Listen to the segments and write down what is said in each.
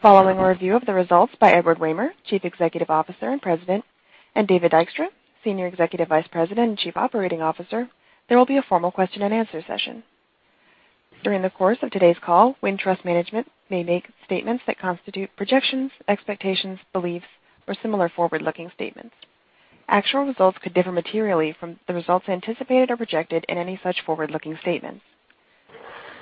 Following a review of the results by Edward Wehmer, Chief Executive Officer and President, and David Dykstra, Senior Executive Vice President and Chief Operating Officer, there will be a formal question and answer session. During the course of today's call, Wintrust Management may make statements that constitute projections, expectations, beliefs, or similar forward-looking statements. Actual results could differ materially from the results anticipated or projected in any such forward-looking statements.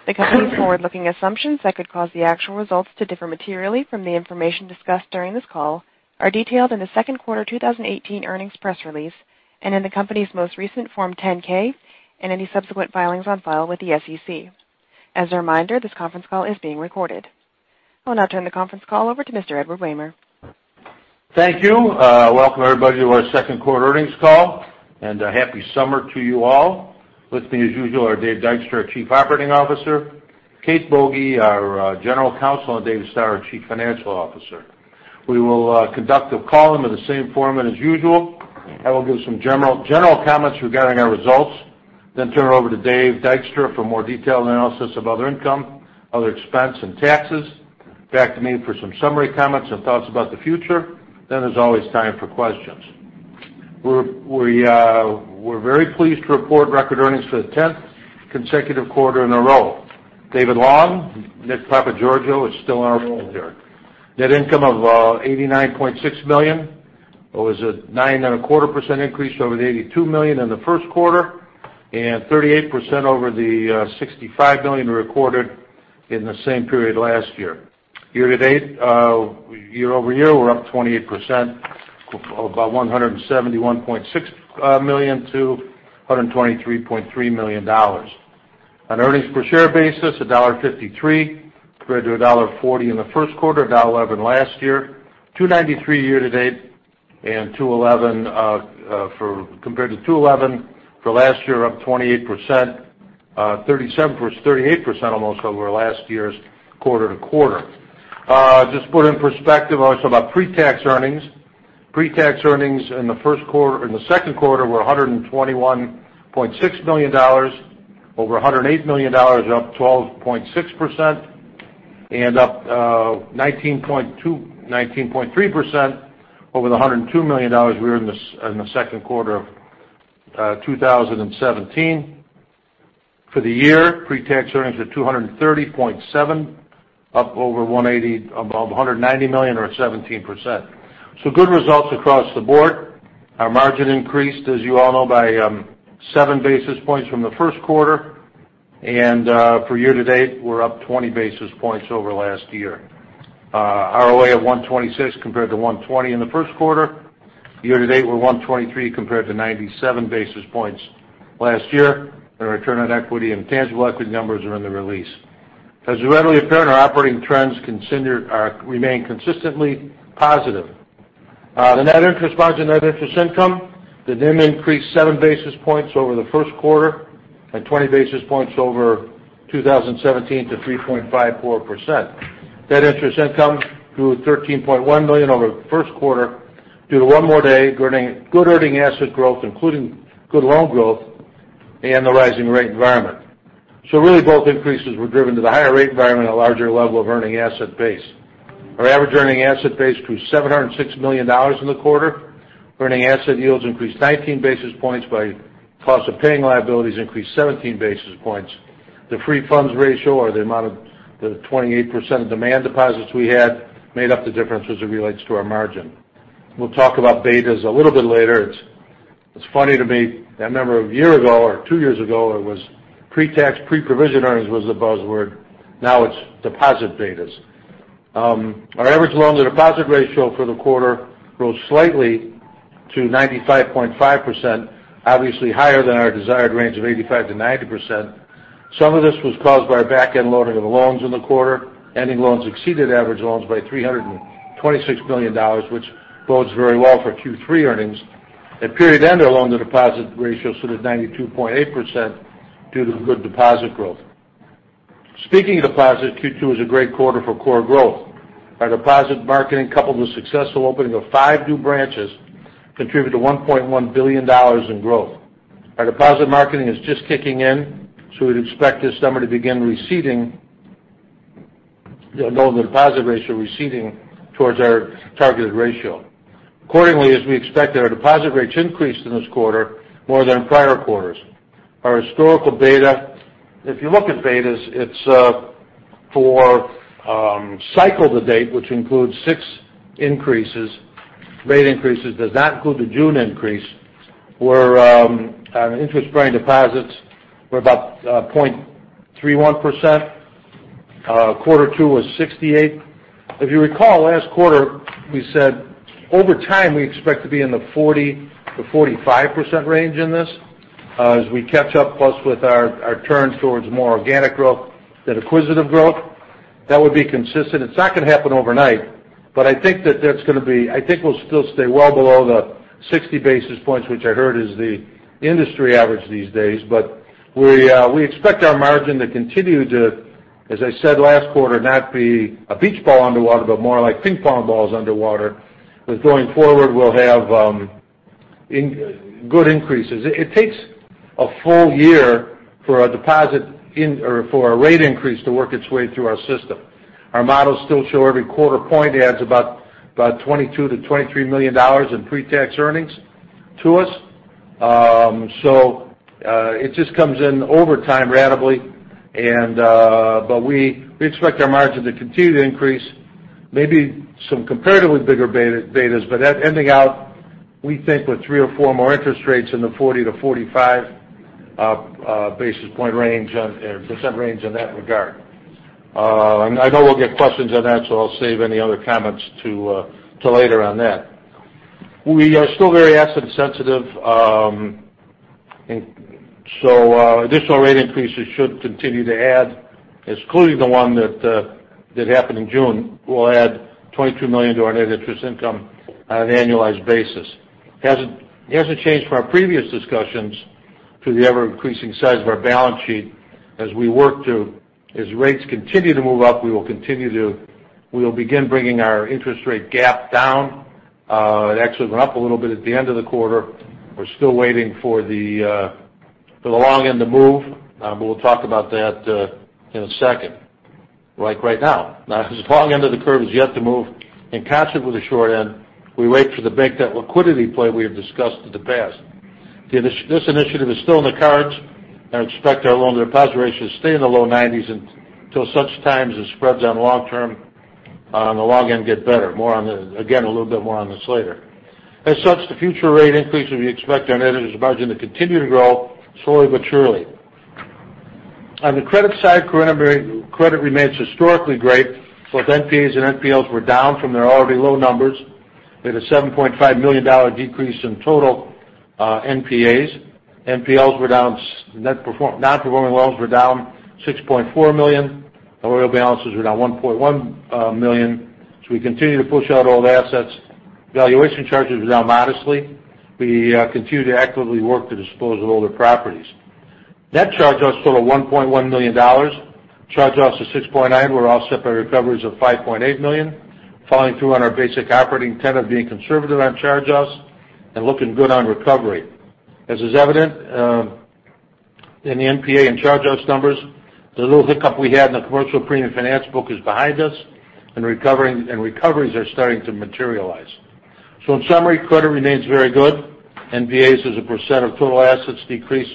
The company's forward-looking assumptions that could cause the actual results to differ materially from the information discussed during this call are detailed in the second quarter 2018 earnings press release and in the company's most recent Form 10-K and any subsequent filings on file with the SEC. As a reminder, this conference call is being recorded. I will now turn the conference call over to Mr. Edward Wehmer. Thank you. Welcome everybody to our second-quarter earnings call, and happy summer to you all. With me, as usual, are Dave Dykstra, our Chief Operating Officer; Kate Boege, our General Counsel; and David Stoehr, our Chief Financial Officer. We will conduct the call under the same format as usual. I will give some general comments regarding our results, then turn it over to Dave Dykstra for more detailed analysis of other income, other expense, and taxes. Back to me for some summary comments and thoughts about the future. Then there's always time for questions. We're very pleased to report record earnings for the 10th consecutive quarter in a row. David Long, Nick Papageorgiou is still on our board there. Net income of $89.6 million. It was a 9.25% increase over the $82 million in the first quarter and 38% over the $65 million we recorded in the same period last year. Year-over-year, we're up 28%, about $171.6 million to $123.3 million. On earnings per share basis, $1.53 compared to $1.40 in the first quarter, $1.11 last year. $2.93 year-to-date compared to $2.11 for last year, up 28%, 38% almost over last year's quarter-to-quarter. Just put in perspective also about pre-tax earnings. Pre-tax earnings in the second quarter were $121.6 million, over $108 million, up 12.6%, and up 19.3% over the $102 million we were in the second quarter of 2017. For the year, pre-tax earnings are $230.7, up over $190 million, or 17%. Good results across the board. Our margin increased, as you all know, by seven basis points from the first quarter. For year-to-date, we're up 20 basis points over last year. ROA of 126 compared to 120 in the first quarter. Year-to-date, we're 123 compared to 97 basis points last year. The return on equity and tangible equity numbers are in the release. As readily apparent, our operating trends remain consistently positive. The net interest margin, net interest income, the NIM increased seven basis points over the first quarter and 20 basis points over 2017 to 3.54%. Net interest income grew $13.1 million over the first quarter due to one more day, good earning asset growth, including good loan growth, and the rising rate environment. Really both increases were driven to the higher rate environment and a larger level of earning asset base. Our average earning asset base grew to $706 million in the quarter. Earning asset yields increased 19 basis points by cost of paying liabilities increased 17 basis points. The free funds ratio or the amount of the 28% of demand deposits we had made up the difference as it relates to our margin. We will talk about betas a little bit later. It is funny to me. I remember a year ago or two years ago, it was pre-tax, pre-provision earnings was the buzzword. Now it is deposit betas. Our average loan-to-deposit ratio for the quarter rose slightly to 95.5%, obviously higher than our desired range of 85%-90%. Some of this was caused by our back-end loading of the loans in the quarter. Ending loans exceeded average loans by $326 million, which bodes very well for Q3 earnings. At period end, our loan-to-deposit ratio stood at 92.8% due to good deposit growth. Speaking of deposit, Q2 is a great quarter for core growth. Our deposit marketing, coupled with successful opening of five new branches, contributed to $1.1 billion in growth. Our deposit marketing is just kicking in, we would expect this number to begin receding, loan-to-deposit ratio receding towards our targeted ratio. Accordingly, as we expected, our deposit rates increased in this quarter more than prior quarters. Our historical beta, if you look at betas, it is for cycle to date, which includes six rate increases, does not include the June increase, where on interest-bearing deposits were about 0.31%. Quarter two was 68%. If you recall, last quarter we said, over time we expect to be in the 40%-45% range in this as we catch up, plus with our turn towards more organic growth than acquisitive growth. That would be consistent. It is not going to happen overnight, I think we will still stay well below the 60 basis points, which I heard is the industry average these days. We expect our margin to continue to, as I said last quarter, not be a beach ball underwater, but more like ping pong balls underwater because going forward, we will have in good increases. It takes a full year for a rate increase to work its way through our system. Our models still show every quarter point adds about $22 million-$23 million in pre-tax earnings to us. It just comes in over time ratably. We expect our margin to continue to increase, maybe some comparatively bigger betas. Ending out, we think with three or four more interest rates in the 40-45 basis point range on, or % range in that regard. I know we will get questions on that, I will save any other comments to later on that. We are still very asset sensitive, additional rate increases should continue to add, excluding the one that happened in June, will add $22 million to our net interest income on an annualized basis. It has not changed from our previous discussions to the ever-increasing size of our balance sheet. As rates continue to move up, we will begin bringing our interest rate gap down. It actually went up a little bit at the end of the quarter. We are still waiting for the long end to move. We will talk about that in a second, like right now. As the long end of the curve is yet to move in concert with the short end, we wait for the bank that liquidity play we have discussed in the past. This initiative is still in the cards, and I expect our loan deposit ratio to stay in the low 90s until such time as the spreads on the long end get better. Again, a little bit more on this later. As such, the future rate increase, we expect our net interest margin to continue to grow slowly but surely. On the credit side, credit remains historically great. Both NPAs and NPLs were down from their already low numbers. We had a $7.5 million decrease in total NPAs. NPLs, non-performing loans, were down $6.4 million. Our OREO balances were down $1.1 million. We continue to push out old assets. Valuation charges were down modestly. We continue to actively work to dispose of older properties. Net charge-offs total $1.1 million. Charge-offs of $6.9 million were offset by recoveries of $5.8 million, following through on our basic operating tenet of being conservative on charge-offs and looking good on recovery. As is evident in the NPA and charge-offs numbers, the little hiccup we had in the commercial premium finance book is behind us, and recoveries are starting to materialize. In summary, credit remains very good. NPAs as a percent of total assets decreased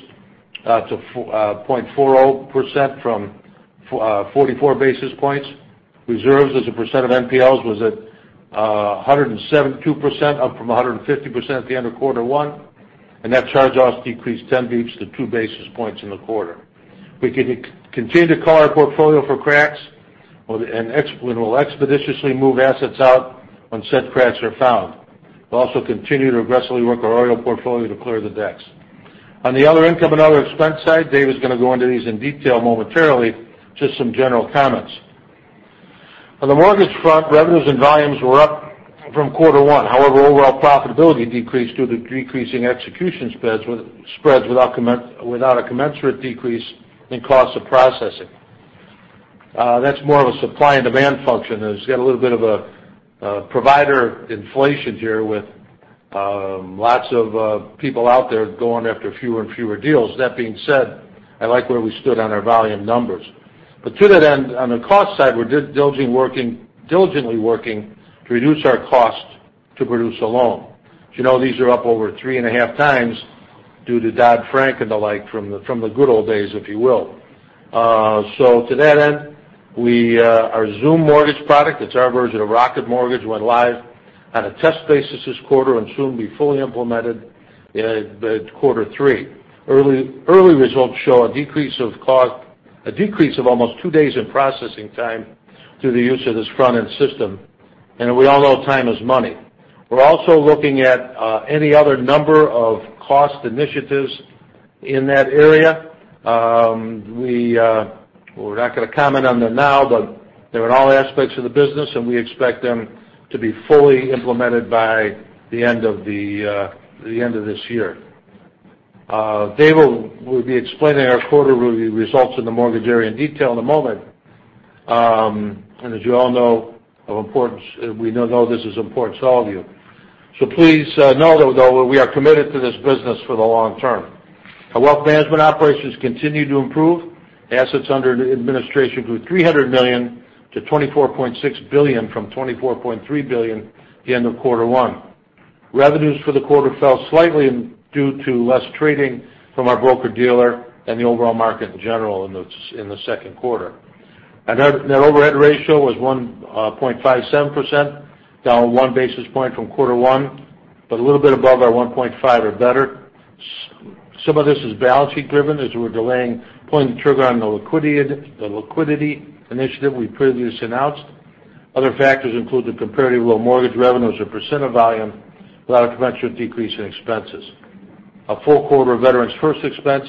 to 0.40% from 44 basis points. Reserves as a percent of NPLs was at 172%, up from 150% at the end of Quarter One. Net charge-offs decreased 10 basis points to 2 basis points in the quarter. We continue to cull our portfolio for cracks, and we will expeditiously move assets out when said cracks are found. We'll also continue to aggressively work our OREO portfolio to clear the decks. On the other income and other expense side, David is going to go into these in detail momentarily. Just some general comments. On the mortgage front, revenues and volumes were up from Quarter One. However, overall profitability decreased due to decreasing execution spreads without a commensurate decrease in cost of processing. That's more of a supply and demand function. It's got a little bit of a provider inflation here with lots of people out there going after fewer and fewer deals. That being said, I like where we stood on our volume numbers. To that end, on the cost side, we're diligently working to reduce our cost to produce a loan. These are up over three and a half times due to Dodd-Frank and the like from the good old days, if you will. To that end, our Zuum mortgage product, it's our version of Rocket Mortgage, went live on a test basis this quarter and soon will be fully implemented in Quarter Three. Early results show a decrease of almost two days in processing time through the use of this front-end system, and we all know time is money. We're also looking at any other number of cost initiatives in that area. We're not going to comment on them now, but they're in all aspects of the business, and we expect them to be fully implemented by the end of this year. David will be explaining our quarterly results in the mortgage area in detail in a moment. As you all know, we know this is important to all of you. Please know, though, that we are committed to this business for the long term. Our wealth management operations continue to improve. Assets under administration grew $300 million to $24.6 billion from $24.3 billion at the end of Quarter One. Revenues for the quarter fell slightly due to less trading from our broker-dealer and the overall market in general in the second quarter. Our net overhead ratio was 1.57%, down one basis point from Quarter One, but a little bit above our 1.5 or better. Some of this is balance sheet driven as we're delaying pulling the trigger on the liquidity initiative we previously announced. Other factors include the comparatively low mortgage revenues as a percent of volume without a commensurate decrease in expenses. A full quarter of Veterans First expense,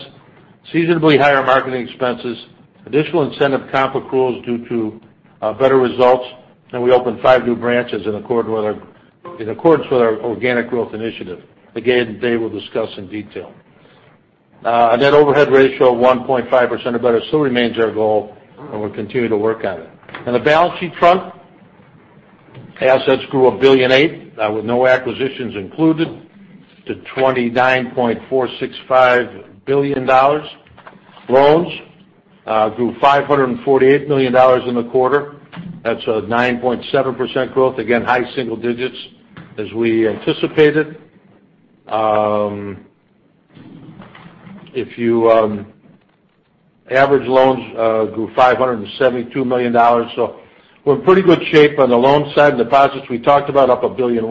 seasonably higher marketing expenses, additional incentive comp accruals due to better results, and we opened five new branches in accordance with our organic growth initiative. Again, Dave will discuss in detail. A net overhead ratio of 1.5% or better still remains our goal. We'll continue to work on it. On the balance sheet front, assets grew $1.8 billion, with no acquisitions included, to $29.465 billion. Loans grew $548 million in the quarter. That's a 9.7% growth. Again, high single digits as we anticipated. Average loans grew $572 million. We're in pretty good shape on the loans side. Deposits, we talked about, up $1.1 billion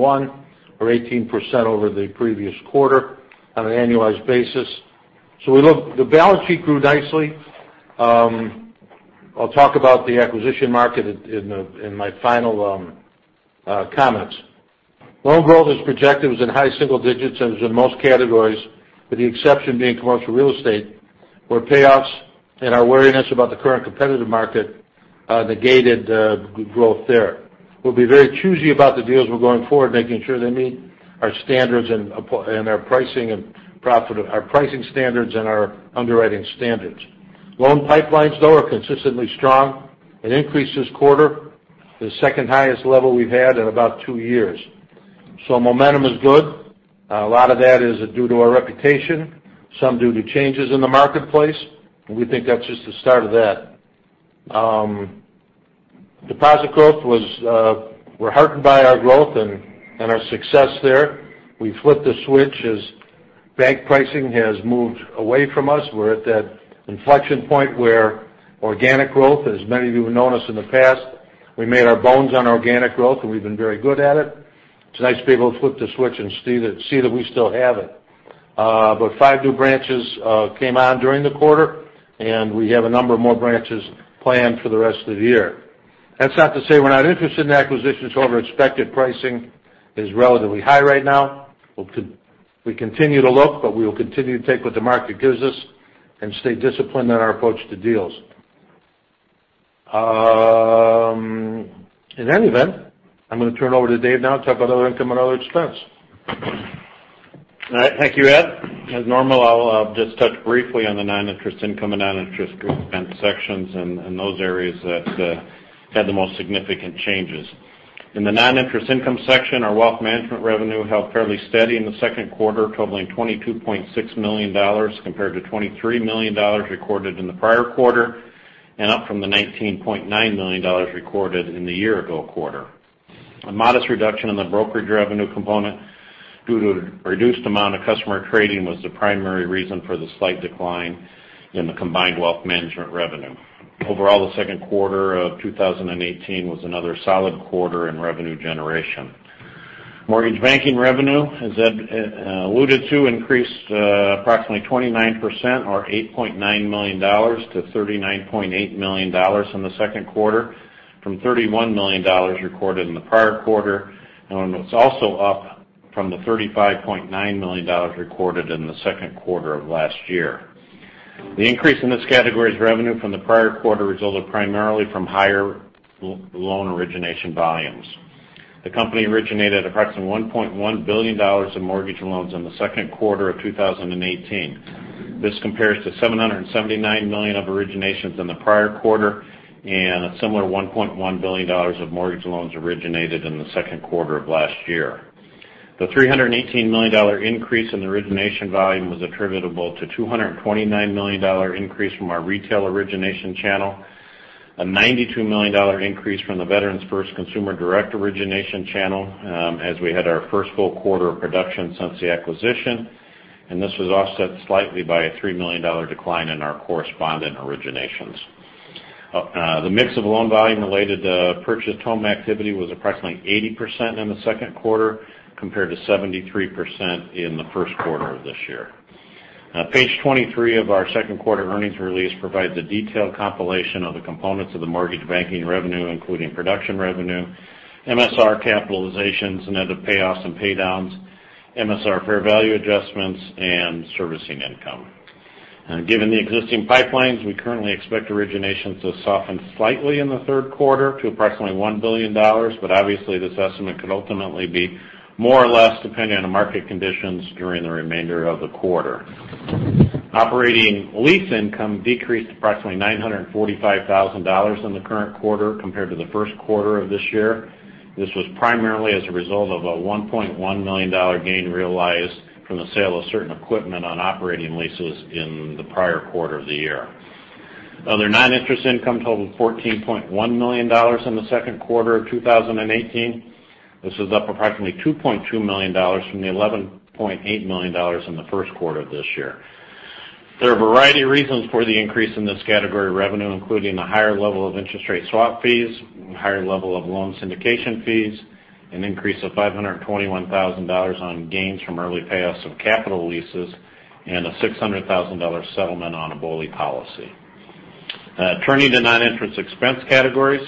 or 18% over the previous quarter on an annualized basis. The balance sheet grew nicely. I'll talk about the acquisition market in my final comments. Loan growth is projected in high single digits as in most categories, with the exception being commercial real estate, where payoffs and our wariness about the current competitive market negated the growth there. We'll be very choosy about the deals we're going forward, making sure they meet our pricing standards and our underwriting standards. Loan pipelines, though, are consistently strong. It increased this quarter to the second-highest level we've had in about two years. Momentum is good. A lot of that is due to our reputation, some due to changes in the marketplace, and we think that's just the start of that. Deposit growth. We're heartened by our growth and our success there. We flipped the switch as bank pricing has moved away from us. We're at that inflection point where organic growth, as many of you have noticed in the past, we made our bones on organic growth, and we've been very good at it. It's nice to be able to flip the switch and see that we still have it. Five new branches came on during the quarter, and we have a number of more branches planned for the rest of the year. That's not to say we're not interested in acquisitions. However, expected pricing is relatively high right now. We continue to look, but we will continue to take what the market gives us and stay disciplined in our approach to deals. In any event, I'm going to turn it over to Dave now to talk about other income and other expense. All right. Thank you, Ed. As normal, I'll just touch briefly on the non-interest income and non-interest expense sections and those areas that had the most significant changes. In the non-interest income section, our wealth management revenue held fairly steady in the second quarter, totaling $22.6 million, compared to $23 million recorded in the prior quarter, and up from the $19.9 million recorded in the year-ago quarter. A modest reduction in the brokerage revenue component due to the reduced amount of customer trading was the primary reason for the slight decline in the combined wealth management revenue. Overall, the second quarter of 2018 was another solid quarter in revenue generation. Mortgage banking revenue, as Ed alluded to, increased approximately 29% or $8.9 million to $39.8 million in the second quarter, from $31 million recorded in the prior quarter, and it's also up from the $35.9 million recorded in the second quarter of last year. The increase in this category's revenue from the prior quarter resulted primarily from higher loan origination volumes. The company originated approximately $1.1 billion in mortgage loans in the second quarter of 2018. This compares to $779 million of originations in the prior quarter, and a similar $1.1 billion of mortgage loans originated in the second quarter of last year. The $318 million increase in the origination volume was attributable to $229 million increase from our retail origination channel. A $92 million increase from the Veterans First consumer direct origination channel, as we had our first full quarter of production since the acquisition. This was offset slightly by a $3 million decline in our correspondent originations. The mix of loan volume related to purchased home activity was approximately 80% in the second quarter, compared to 73% in the first quarter of this year. Page 23 of our second quarter earnings release provides a detailed compilation of the components of the mortgage banking revenue, including production revenue, MSR capitalizations, net of payoffs and paydowns, MSR fair value adjustments, and servicing income. Given the existing pipelines, we currently expect originations to soften slightly in the third quarter to approximately $1 billion, but obviously, this estimate could ultimately be more or less, depending on the market conditions during the remainder of the quarter. Operating lease income decreased approximately $945,000 in the current quarter compared to the first quarter of this year. This was primarily as a result of a $1.1 million gain realized from the sale of certain equipment on operating leases in the prior quarter of the year. Other non-interest income totaled $14.1 million in the second quarter of 2018. This is up approximately $2.2 million from the $11.8 million in the first quarter of this year. There are a variety of reasons for the increase in this category revenue, including a higher level of interest rate swap fees, a higher level of loan syndication fees, an increase of $521,000 on gains from early payoffs of capital leases, and a $600,000 settlement on a BOLI policy. Turning to non-interest expense categories.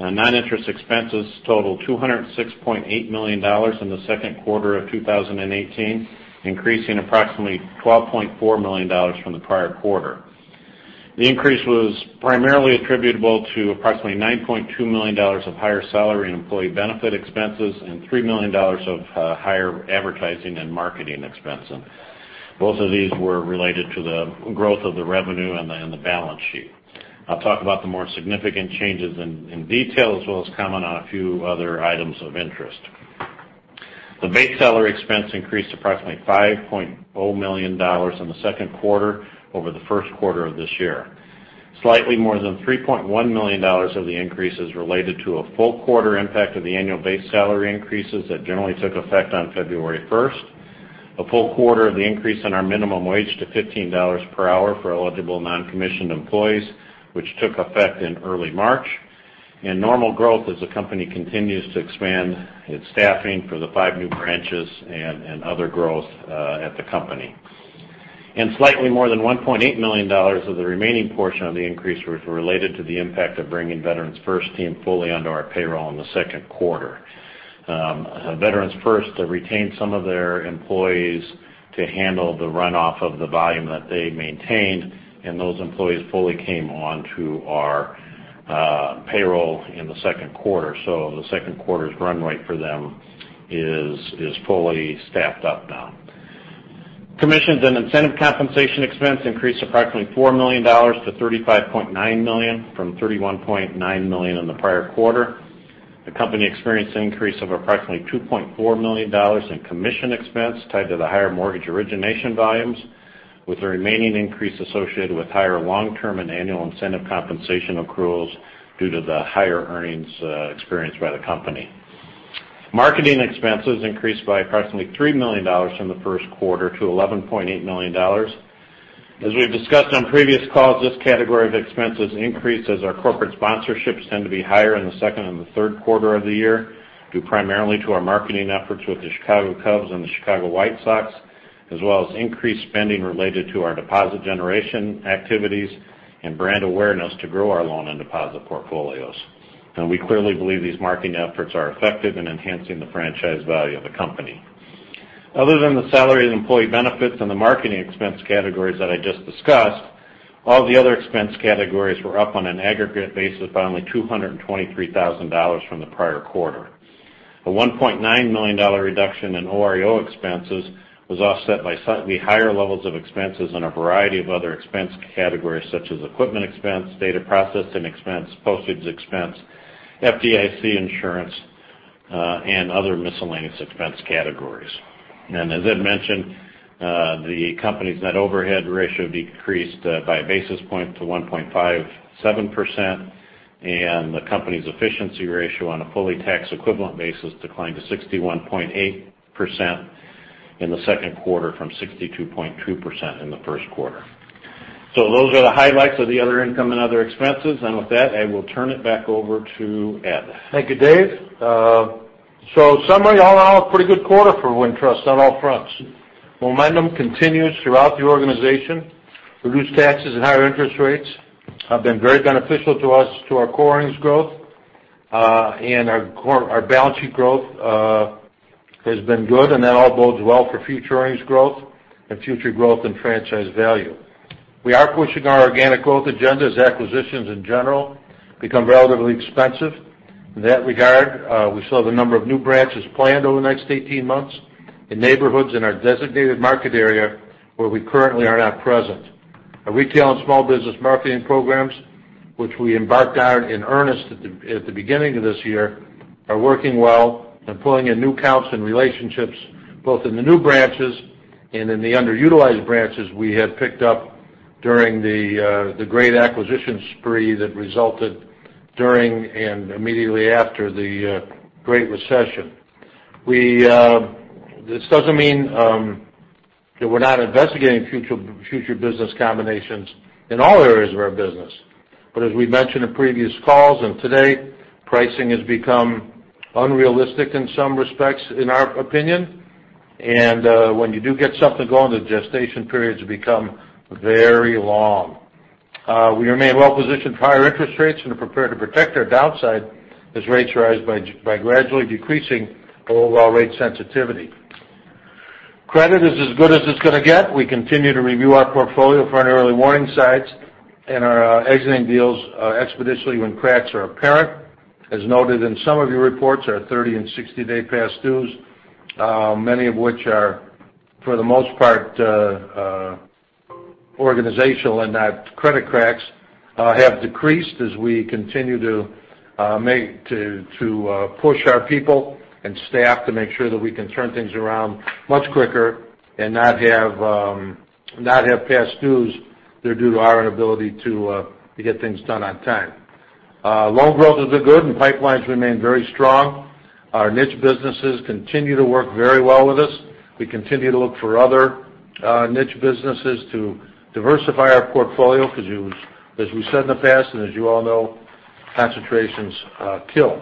Non-interest expenses totaled $206.8 million in the second quarter of 2018, increasing approximately $12.4 million from the prior quarter. The increase was primarily attributable to approximately $9.2 million of higher salary and employee benefit expenses and $3 million of higher advertising and marketing expenses. Both of these were related to the growth of the revenue and the balance sheet. I'll talk about the more significant changes in detail, as well as comment on a few other items of interest. The base salary expense increased approximately $5.0 million in the second quarter over the first quarter of this year. Slightly more than $3.1 million of the increase is related to a full quarter impact of the annual base salary increases that generally took effect on February 1st, a full quarter of the increase in our minimum wage to $15 per hour for eligible non-commissioned employees, which took effect in early March, and normal growth as the company continues to expand its staffing for the five new branches and other growth at the company. Slightly more than $1.8 million of the remaining portion of the increase was related to the impact of bringing Veterans First team fully under our payroll in the second quarter. Veterans First retained some of their employees to handle the runoff of the volume that they maintained, and those employees fully came onto our payroll in the second quarter. The second quarter's run rate for them is fully staffed up now. Commissions and incentive compensation expense increased approximately $4 million to $35.9 million from $31.9 million in the prior quarter. The company experienced an increase of approximately $2.4 million in commission expense tied to the higher mortgage origination volumes, with the remaining increase associated with higher long-term and annual incentive compensation accruals due to the higher earnings experienced by the company. Marketing expenses increased by approximately $3 million from the first quarter to $11.8 million. As we've discussed on previous calls, this category of expenses increased as our corporate sponsorships tend to be higher in the second and the third quarter of the year, due primarily to our marketing efforts with the Chicago Cubs and the Chicago White Sox, as well as increased spending related to our deposit generation activities and brand awareness to grow our loan and deposit portfolios. We clearly believe these marketing efforts are effective in enhancing the franchise value of the company. Other than the salary and employee benefits and the marketing expense categories that I just discussed, all the other expense categories were up on an aggregate basis by only $223,000 from the prior quarter. A $1.9 million reduction in OREO expenses was offset by slightly higher levels of expenses in a variety of other expense categories such as equipment expense, data processing expense, postage expense, FDIC insurance, and other miscellaneous expense categories. As Ed mentioned, the company's net overhead ratio decreased by a basis point to 1.57%, and the company's efficiency ratio on a fully tax-equivalent basis declined to 61.8% in the second quarter from 62.2% in the first quarter. Those are the highlights of the other income and other expenses. With that, I will turn it back over to Ed. Thank you, Dave. Summary, all in all, a pretty good quarter for Wintrust on all fronts. Momentum continues throughout the organization. Reduced taxes and higher interest rates have been very beneficial to us to our core earnings growth. Our balance sheet growth has been good, and that all bodes well for future earnings growth and future growth in franchise value. We are pushing our organic growth agenda as acquisitions in general become relatively expensive. In that regard, we still have a number of new branches planned over the next 18 months in neighborhoods in our designated market area where we currently are not present. Our retail and small business marketing programs, which we embarked on in earnest at the beginning of this year, are working well and pulling in new accounts and relationships, both in the new branches and in the underutilized branches we had picked up during the Great Acquisition Spree that resulted during and immediately after the Great Recession. This doesn't mean that we're not investigating future business combinations in all areas of our business. As we mentioned in previous calls and today, pricing has become unrealistic in some respects, in our opinion. When you do get something going, the gestation periods become very long. We remain well positioned for higher interest rates and are prepared to protect our downside as rates rise by gradually decreasing overall rate sensitivity. Credit is as good as it's going to get. We continue to review our portfolio for any early warning signs and are exiting deals expeditiously when cracks are apparent. As noted in some of your reports, our 30- and 60-day past dues, many of which are, for the most part, organizational and not credit cracks, have decreased as we continue to push our people and staff to make sure that we can turn things around much quicker and not have past dues that are due to our inability to get things done on time. Loan growth is good, pipelines remain very strong. Our niche businesses continue to work very well with us. We continue to look for other niche businesses to diversify our portfolio because, as we said in the past and as you all know, concentrations kill.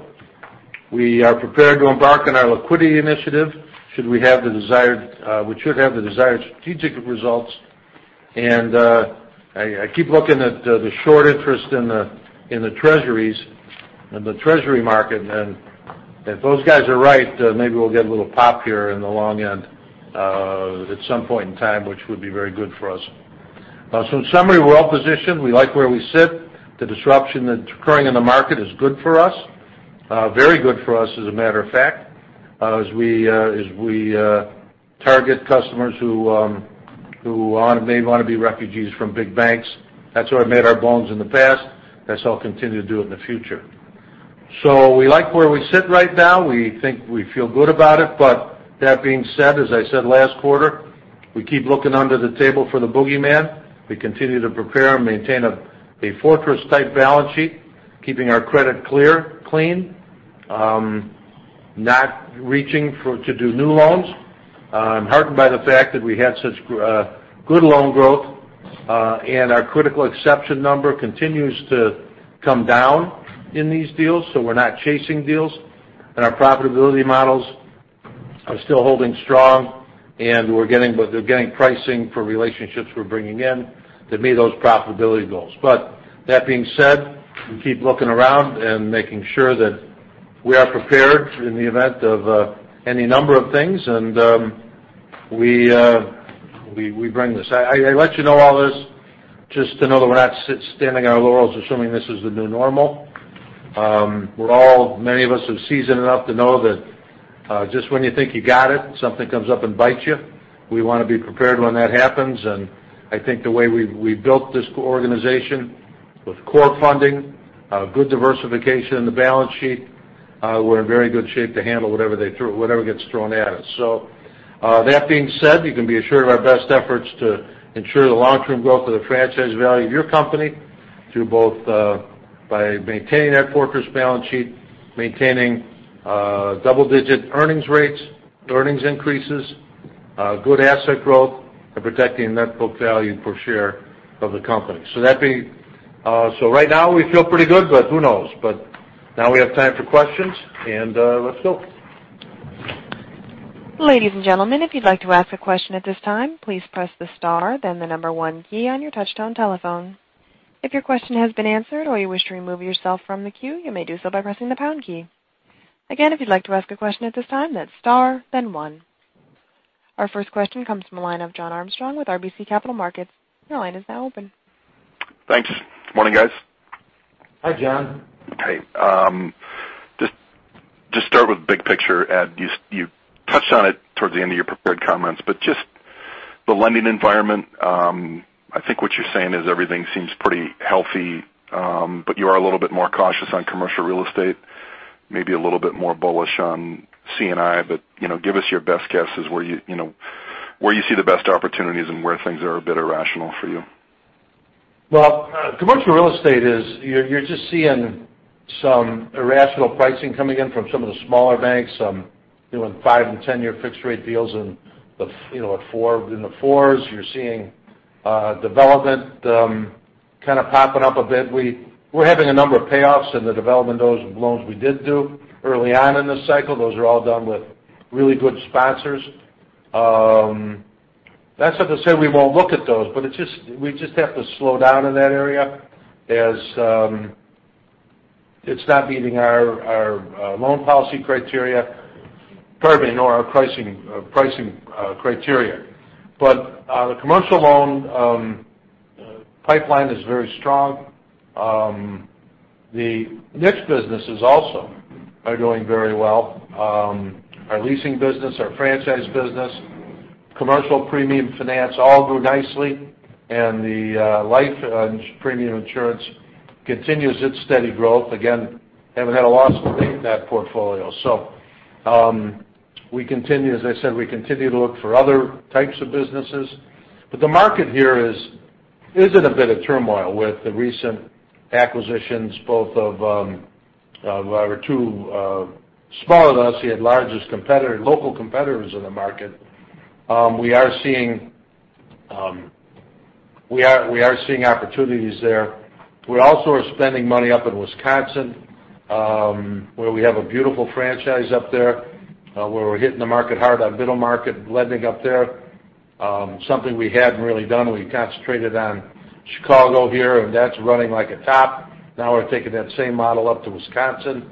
We are prepared to embark on our liquidity initiative, which should have the desired strategic results. I keep looking at the short interest in the Treasury market. If those guys are right, maybe we'll get a little pop here in the long end at some point in time, which would be very good for us. In summary, we're well positioned. We like where we sit. The disruption that's occurring in the market is good for us. Very good for us, as a matter of fact, as we target customers who may want to be refugees from big banks. That's where we made our bones in the past. That's how we'll continue to do it in the future. We like where we sit right now. We think we feel good about it. That being said, as I said last quarter, we keep looking under the table for the boogeyman. We continue to prepare and maintain a fortress-type balance sheet, keeping our credit clear, clean, not reaching to do new loans. I'm heartened by the fact that we had such good loan growth, and our critical exception number continues to come down in these deals. We're not chasing deals, and our profitability models are still holding strong, but they're getting pricing for relationships we're bringing in to meet those profitability goals. That being said, we keep looking around and making sure that we are prepared in the event of any number of things. I let you know all this just to know that we're not standing on our laurels, assuming this is the new normal. Many of us are seasoned enough to know that just when you think you got it, something comes up and bites you. We want to be prepared when that happens. I think the way we built this organization, with core funding, good diversification in the balance sheet, we're in very good shape to handle whatever gets thrown at us. That being said, you can be assured of our best efforts to ensure the long-term growth of the franchise value of your company through both by maintaining that fortress balance sheet, maintaining double-digit earnings rates, earnings increases, good asset growth, and protecting net book value per share of the company. Right now, we feel pretty good. Who knows? Now we have time for questions. Let's go. Ladies and gentlemen, if you'd like to ask a question at this time, please press the star, then the number 1 key on your touchtone telephone. If your question has been answered or you wish to remove yourself from the queue, you may do so by pressing the pound key. Again, if you'd like to ask a question at this time, that's star, then 1. Our first question comes from the line of Jon Arfstrom with RBC Capital Markets. Your line is now open. Thanks. Morning, guys. Hi, Jon. Hey. Just start with big picture, Ed. You touched on it towards the end of your prepared comments, but just the lending environment. I think what you're saying is everything seems pretty healthy, but you are a little bit more cautious on commercial real estate, maybe a little bit more bullish on C&I. Give us your best guesses where you see the best opportunities and where things are a bit irrational for you. Well, commercial real estate is, you're just seeing some irrational pricing coming in from some of the smaller banks, doing five- and 10-year fixed rate deals in the fours. You're seeing development kind of popping up a bit. We're having a number of payoffs in the development loans we did do early on in this cycle. Those are all done with really good sponsors. That's not to say we won't look at those, but we just have to slow down in that area as it's not meeting our loan policy criteria, certainly nor our pricing criteria. The commercial loan pipeline is very strong. The niche businesses also are doing very well. Our leasing business, our franchise business, commercial premium finance all grew nicely, and the life premium insurance continues its steady growth. Again, haven't had a loss to date in that portfolio. As I said, we continue to look for other types of businesses. The market here is in a bit of turmoil with the recent acquisitions, both of our two smaller, less local competitors in the market. We are seeing opportunities there. We also are spending money up in Wisconsin, where we have a beautiful franchise up there, where we're hitting the market hard on middle market lending up there. Something we hadn't really done. We concentrated on Chicago here, and that's running like a top. We're taking that same model up to Wisconsin,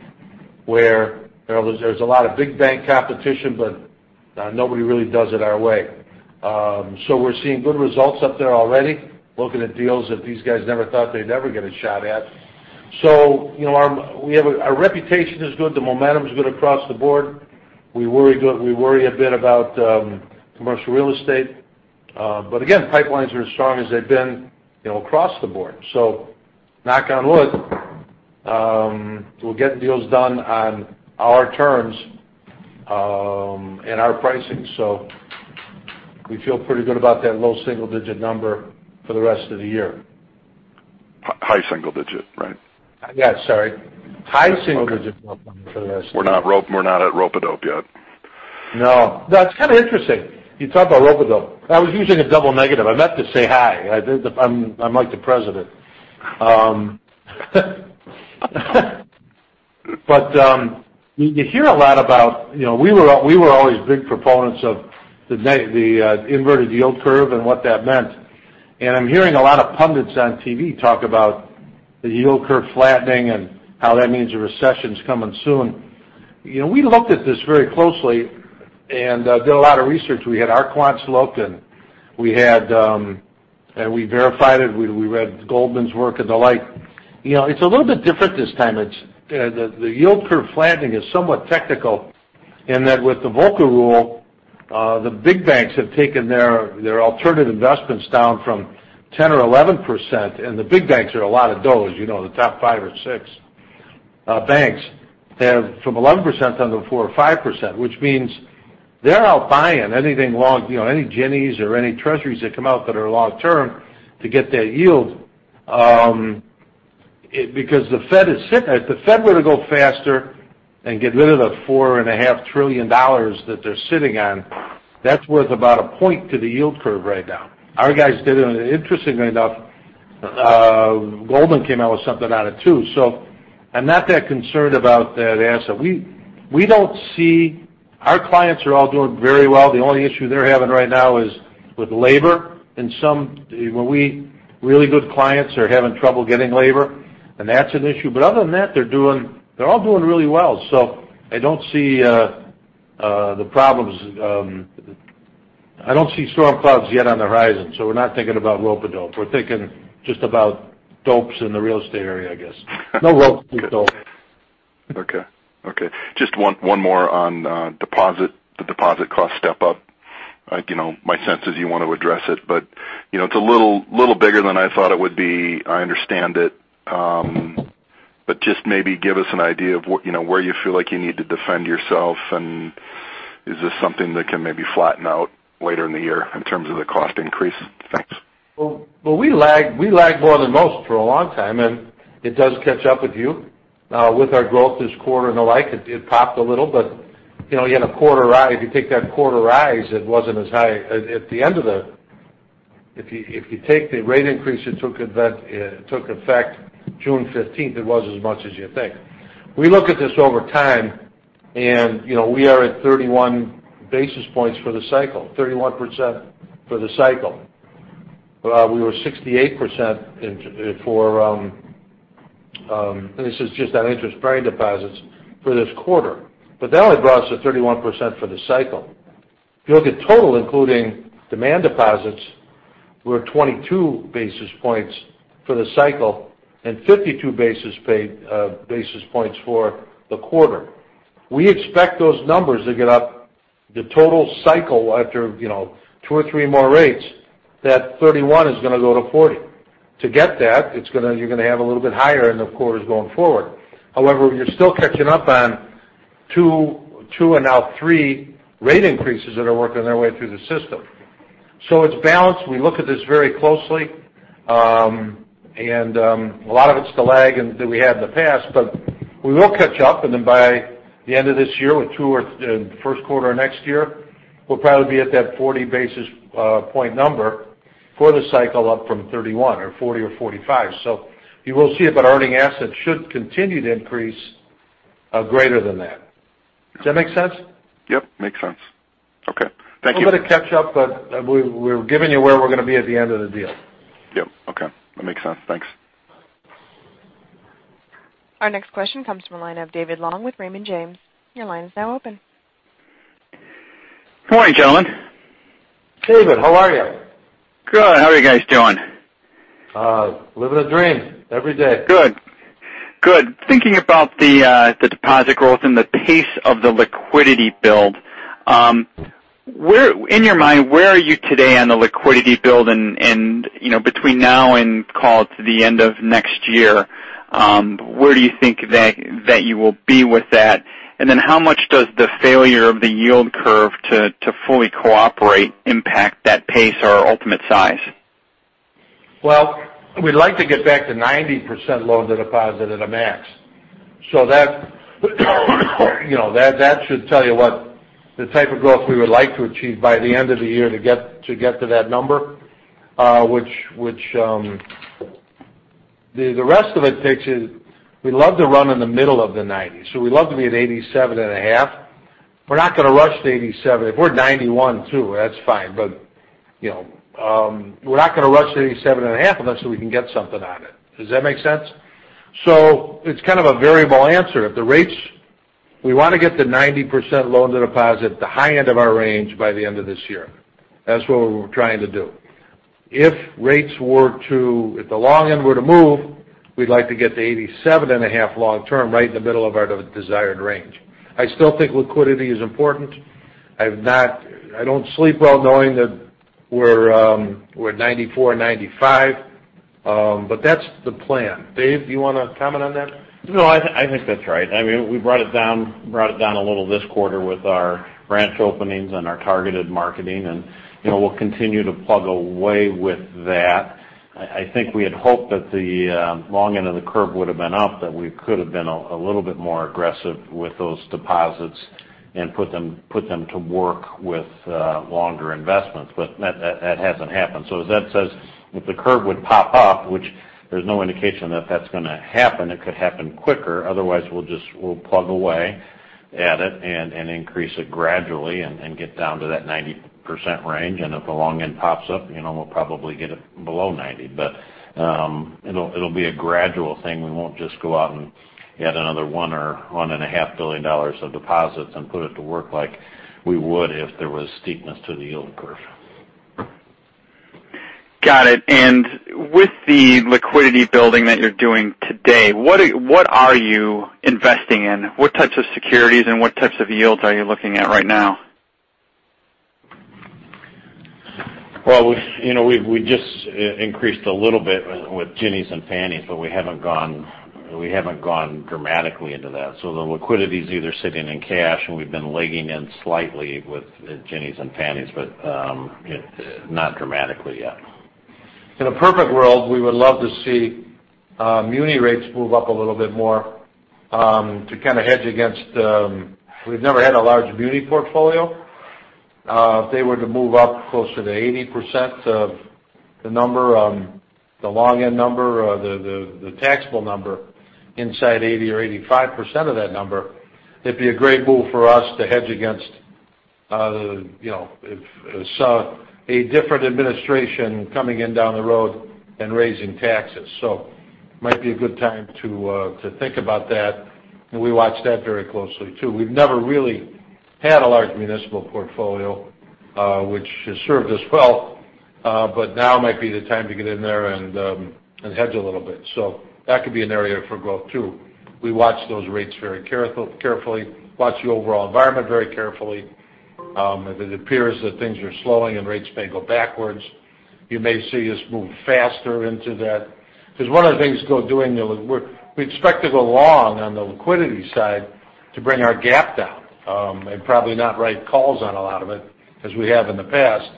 where there's a lot of big bank competition, but nobody really does it our way. We're seeing good results up there already, looking at deals that these guys never thought they'd ever get a shot at. Our reputation is good. The momentum is good across the board. We worry a bit about commercial real estate. Again, pipelines are as strong as they've been across the board. Knock on wood, we'll get deals done on our terms and our pricing. We feel pretty good about that low single-digit number for the rest of the year. High single digit, right? Yeah, sorry. High single digit number for the rest of the year. We're not at rope-a-dope yet. No. That's kind of interesting. You talk about rope-a-dope. I was using a double negative. I meant to say high. I'm like the president. You hear a lot about, we were always big proponents of the inverted yield curve and what that meant. I'm hearing a lot of pundits on TV talk about the yield curve flattening and how that means a recession's coming soon. We looked at this very closely and did a lot of research. We had our quants look, and we verified it. We read Goldman's work and the like. It's a little bit different this time. The yield curve flattening is somewhat technical in that with the Volcker Rule, the big banks have taken their alternative investments down from 10% or 11%. The big banks are a lot of those, the top five or six banks. From 11% down to 4% or 5%, which means they're out buying anything long, any Ginnies or any treasuries that come out that are long term to get that yield. If the Fed were to go faster and get rid of the $4.5 trillion that they're sitting on, that's worth about a point to the yield curve right now. Our guys did it, and interestingly enough, Goldman came out with something on it, too. I'm not that concerned about that asset. Our clients are all doing very well. The only issue they're having right now is with labor. Really good clients are having trouble getting labor, and that's an issue. Other than that, they're all doing really well. I don't see storm clouds yet on the horizon. We're not thinking about rope-a-dope. We're thinking just about dopes in the real estate area, I guess. No rope-a-dope. Just one more on the deposit cost step up. My sense is you want to address it. It's a little bigger than I thought it would be. I understand it. Just maybe give us an idea of where you feel like you need to defend yourself, and is this something that can maybe flatten out later in the year in terms of the cost increase? Thanks. We lagged more than most for a long time, and it does catch up with you. With our growth this quarter and the like, it popped a little, but you had a quarter rise. If you take that quarter rise, it wasn't as high. If you take the rate increase that took effect June 15th, it wasn't as much as you think. We look at this over time, and we are at 31 basis points for the cycle, 31% for the cycle. We were 68% for, and this is just on interest-bearing deposits for this quarter. That only brought us to 31% for the cycle. If you look at total, including demand deposits, we are at 22 basis points for the cycle and 52 basis points for the quarter. We expect those numbers to get up the total cycle after two or three more rates. That 31 is going to go to 40. To get that, you are going to have a little bit higher in the quarters going forward. However, you are still catching up on two and now three rate increases that are working their way through the system. It's balanced. We look at this very closely. A lot of it's the lag that we had in the past, but we will catch up, and then by the end of this year, first quarter of next year, we will probably be at that 40 basis point number for the cycle up from 31 or 40 or 45. You will see it, but earning assets should continue to increase greater than that. Does that make sense? Yep, makes sense. Okay. Thank you. We're going to catch up, but we're giving you where we're going to be at the end of the deal. Yep. Okay. That makes sense. Thanks. Our next question comes from the line of David Long with Raymond James. Your line is now open. Good morning, gentlemen. David, how are you? Good. How are you guys doing? Living the dream every day. Good. Thinking about the deposit growth and the pace of the liquidity build. In your mind, where are you today on the liquidity build? Between now and call it the end of next year, where do you think that you will be with that? How much does the failure of the yield curve to fully cooperate impact that pace or ultimate size? Well, we'd like to get back to 90% loan to deposit at a max. That should tell you what the type of growth we would like to achieve by the end of the year to get to that number. The rest of it takes is we love to run in the middle of the 90%. We love to be at 87.5%. We're not going to rush to 87%. If we're 91% too, that's fine. We're not going to rush to 87.5% unless we can get something on it. Does that make sense? It's kind of a variable answer. We want to get to 90% loan to deposit, the high end of our range by the end of this year. That's what we're trying to do. If the long end were to move, we'd like to get to 87.5% long term, right in the middle of our desired range. I still think liquidity is important. I don't sleep well knowing that we're 94%, 95%. That's the plan. Dave, you want to comment on that? No, I think that's right. We brought it down a little this quarter with our branch openings and our targeted marketing, we'll continue to plug away with that. I think we had hoped that the long end of the curve would have been up, that we could have been a little bit more aggressive with those deposits and put them to work with longer investments. That hasn't happened. As Ed says, if the curve would pop up, which there's no indication that that's going to happen, it could happen quicker. Otherwise, we'll plug away. Add it and increase it gradually and get down to that 90% range. If the long end pops up, we'll probably get it below 90%. It'll be a gradual thing. We won't just go out and add another $1 billion or $1.5 billion of deposits and put it to work like we would if there was steepness to the yield curve. Got it. With the liquidity building that you're doing today, what are you investing in? What types of securities and what types of yields are you looking at right now? Well, we just increased a little bit with Ginnies and Fannies, but we haven't gone dramatically into that. The liquidity is either sitting in cash, and we've been legging in slightly with Ginnies and Fannies, but not dramatically yet. In a perfect world, we would love to see muni rates move up a little bit more to kind of hedge against. We've never had a large muni portfolio. If they were to move up closer to 80% of the long end number, the taxable number inside 80% or 85% of that number, it'd be a great move for us to hedge against if we saw a different administration coming in down the road and raising taxes. Might be a good time to think about that. We watch that very closely, too. We've never really had a large municipal portfolio, which has served us well. Now might be the time to get in there and hedge a little bit. That could be an area for growth, too. We watch those rates very carefully, watch the overall environment very carefully. If it appears that things are slowing and rates may go backwards, you may see us move faster into that. Because one of the things we're doing. We expect to go long on the liquidity side to bring our gap down and probably not write calls on a lot of it as we have in the past.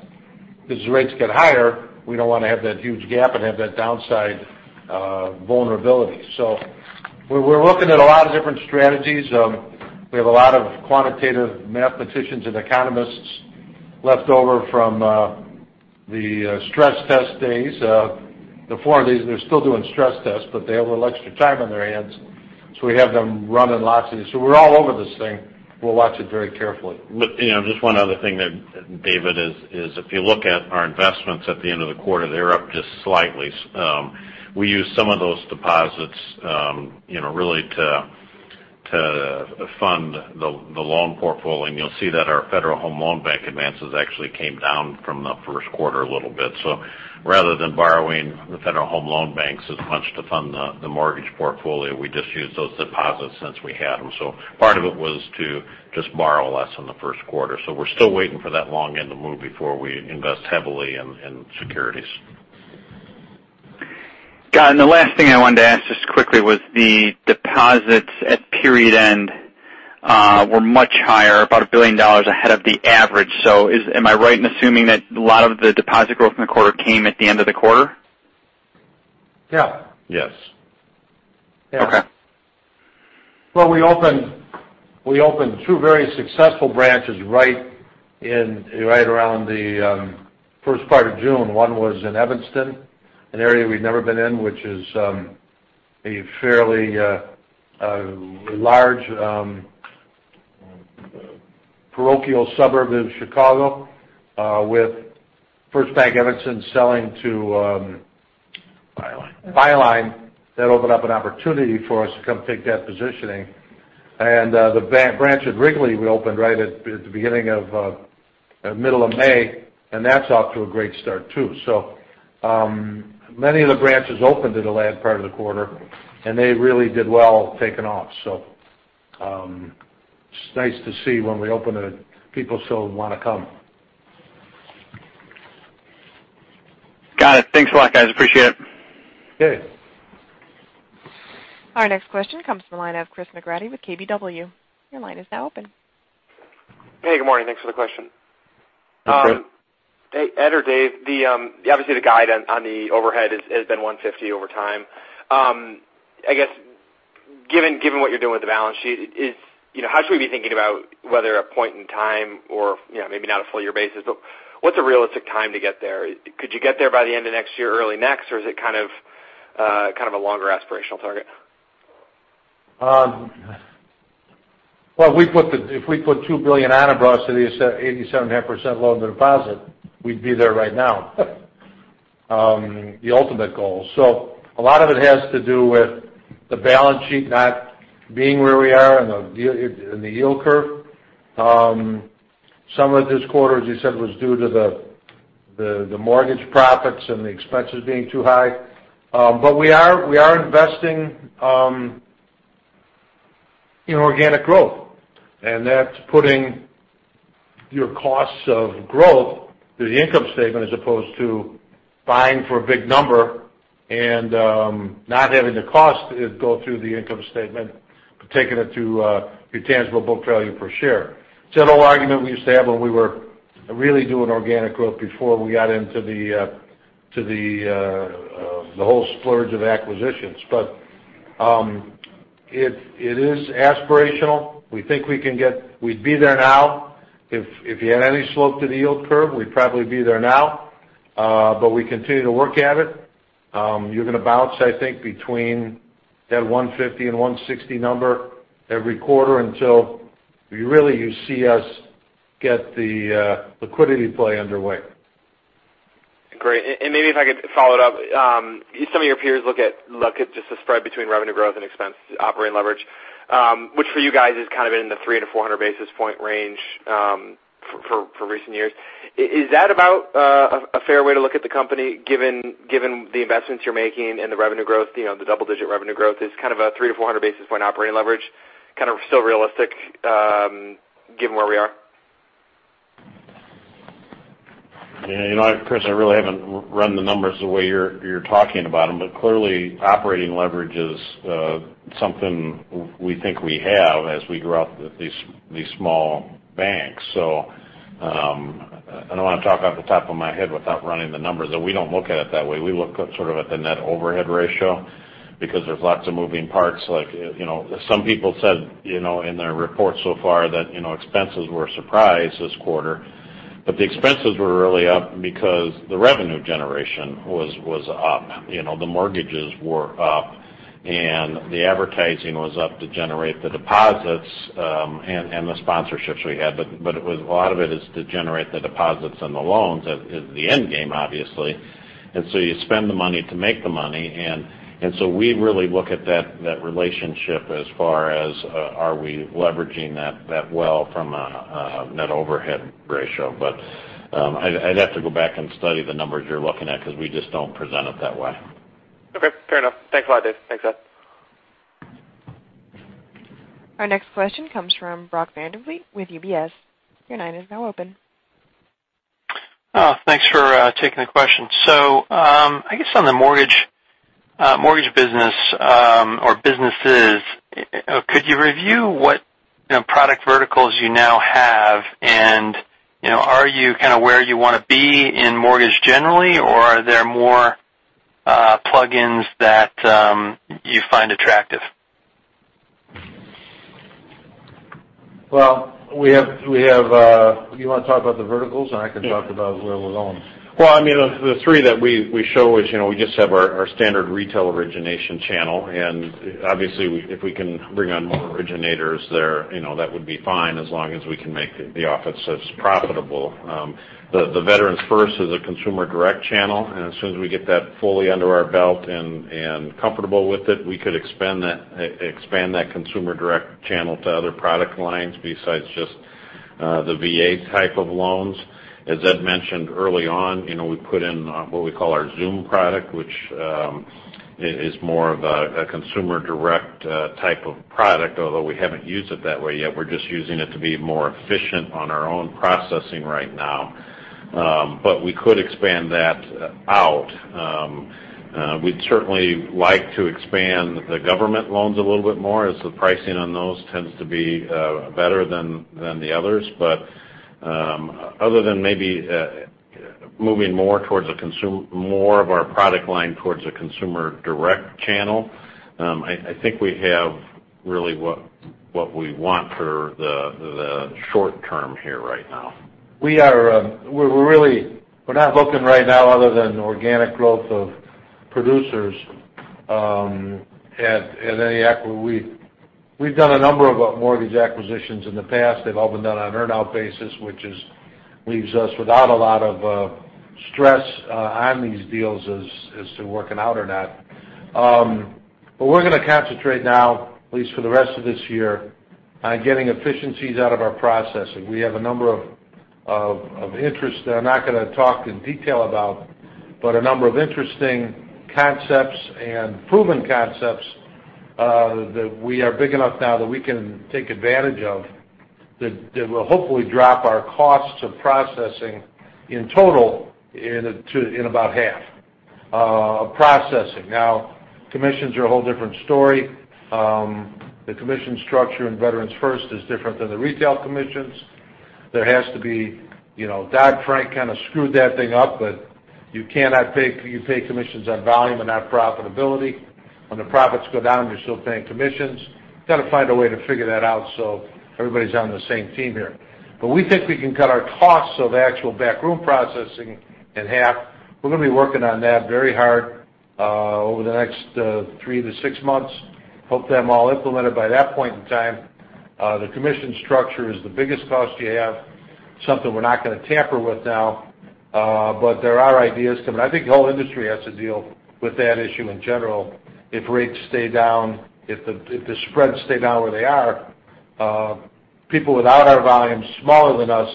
Because as rates get higher, we don't want to have that huge gap and have that downside vulnerability. We're looking at a lot of different strategies. We have a lot of quantitative mathematicians and economists left over from the stress test days. They're still doing stress tests, but they have a little extra time on their hands, so we have them running lots of these. We're all over this thing. We'll watch it very carefully. David, just one other thing, is if you look at our investments at the end of the quarter, they're up just slightly. We used some of those deposits really to fund the loan portfolio. You'll see that our Federal Home Loan Bank advances actually came down from the first quarter a little bit. Rather than borrowing the Federal Home Loan Banks as much to fund the mortgage portfolio, we just used those deposits since we had them. Part of it was to just borrow less in the first quarter. We're still waiting for that long end to move before we invest heavily in securities. Got it. The last thing I wanted to ask just quickly was the deposits at period end were much higher, about $1 billion ahead of the average. Am I right in assuming that a lot of the deposit growth in the quarter came at the end of the quarter? Yeah. Yes. Okay. Well, we opened two very successful branches right around the first part of June. One was in Evanston, an area we'd never been in, which is a fairly large parochial suburb of Chicago, with First Bank Evanston selling to- Byline Byline. That opened up an opportunity for us to come take that positioning. The branch at Wrigley we opened right at the beginning of middle of May, and that's off to a great start, too. Many of the branches opened in the last part of the quarter, and they really did well taking off. It's nice to see when we open it, people still want to come. Got it. Thanks a lot, guys. Appreciate it. Good. Our next question comes from the line of Christopher McGratty with KBW. Your line is now open. Hey, good morning. Thanks for the question. Chris. Edward or David, obviously, the guide on the overhead has been 150 over time. I guess, given what you're doing with the balance sheet, how should we be thinking about whether a point in time or maybe not a full year basis, but what's a realistic time to get there? Could you get there by the end of next year, early next? Is it kind of a longer aspirational target? If we put $2 billion on and brought us to the 87.5% loan to deposit, we'd be there right now. The ultimate goal. A lot of it has to do with the balance sheet not being where we are and the yield curve. Some of this quarter, as you said, was due to the mortgage profits and the expenses being too high. We are investing in organic growth, and that's putting your costs of growth through the income statement as opposed to buying for a big number and not having the cost go through the income statement, but taking it to your tangible book value per share. It's an old argument we used to have when we were really doing organic growth before we got into the whole splurge of acquisitions. It is aspirational. We'd be there now. If you had any slope to the yield curve, we'd probably be there now. We continue to work at it. You're going to bounce, I think, between that 150 and 160 number every quarter until you see us get the liquidity play underway. Great. Maybe if I could follow it up. Some of your peers look at just the spread between revenue growth and expense operating leverage, which for you guys has kind of been in the 300-400 basis point range for recent years. Is that about a fair way to look at the company, given the investments you're making and the revenue growth, the double-digit revenue growth? Is kind of a 300-400 basis point operating leverage kind of still realistic, given where we are? Yeah. Chris, I really haven't run the numbers the way you're talking about them. Clearly, operating leverage is something we think we have as we grow out these small banks. I don't want to talk off the top of my head without running the numbers, and we don't look at it that way. We look sort of at the net overhead ratio because there's lots of moving parts. Some people said in their reports so far that expenses were a surprise this quarter. The expenses were really up because the revenue generation was up. The mortgages were up, and the advertising was up to generate the deposits and the sponsorships we had. A lot of it is to generate the deposits and the loans is the end game, obviously. You spend the money to make the money. We really look at that relationship as far as are we leveraging that well from a net overhead ratio. I'd have to go back and study the numbers you're looking at because we just don't present it that way. Okay. Fair enough. Thanks a lot, Dave. Thanks, Ed. Our next question comes from Brock Vandervliet with UBS. Your line is now open. Thanks for taking the question. I guess on the mortgage business or businesses, could you review what product verticals you now have? Are you kind of where you want to be in mortgage generally, or are there more plug-ins that you find attractive? Well, do you want to talk about the verticals, and I can talk about where we're going? Well, the three that we show is we just have our standard retail origination channel. Obviously, if we can bring on more originators there, that would be fine as long as we can make the offsets profitable. The Veterans First is a consumer direct channel, and as soon as we get that fully under our belt and comfortable with it, we could expand that consumer direct channel to other product lines besides just the VA type of loans. As Ed mentioned early on, we put in what we call our Zuum product, which is more of a consumer direct type of product, although we haven't used it that way yet. We're just using it to be more efficient on our own processing right now. We could expand that out. We'd certainly like to expand the government loans a little bit more as the pricing on those tends to be better than the others. Other than maybe moving more of our product line towards a consumer direct channel, I think we have really what we want for the short term here right now. We're not looking right now other than organic growth of producers at any acqui. We've done a number of mortgage acquisitions in the past. They've all been done on an earn-out basis, which leaves us without a lot of stress on these deals as to working out or not. We're going to concentrate now, at least for the rest of this year, on getting efficiencies out of our processing. We have a number of interests that I'm not going to talk in detail about, but a number of interesting concepts and proven concepts that we are big enough now that we can take advantage of that will hopefully drop our costs of processing in total in about half of processing. Commissions are a whole different story. The commission structure in Veterans First is different than the retail commissions. Dodd-Frank kind of screwed that thing up. You pay commissions on volume and not profitability. When the profits go down, you're still paying commissions. We've got to find a way to figure that out so everybody's on the same team here. We think we can cut our costs of actual backroom processing in half. We're going to be working on that very hard over the next three to six months. Hope to have them all implemented by that point in time. The commission structure is the biggest cost you have, something we're not going to tamper with now, but there are ideas coming. I think the whole industry has to deal with that issue in general. If rates stay down, if the spreads stay down where they are, people without our volumes smaller than us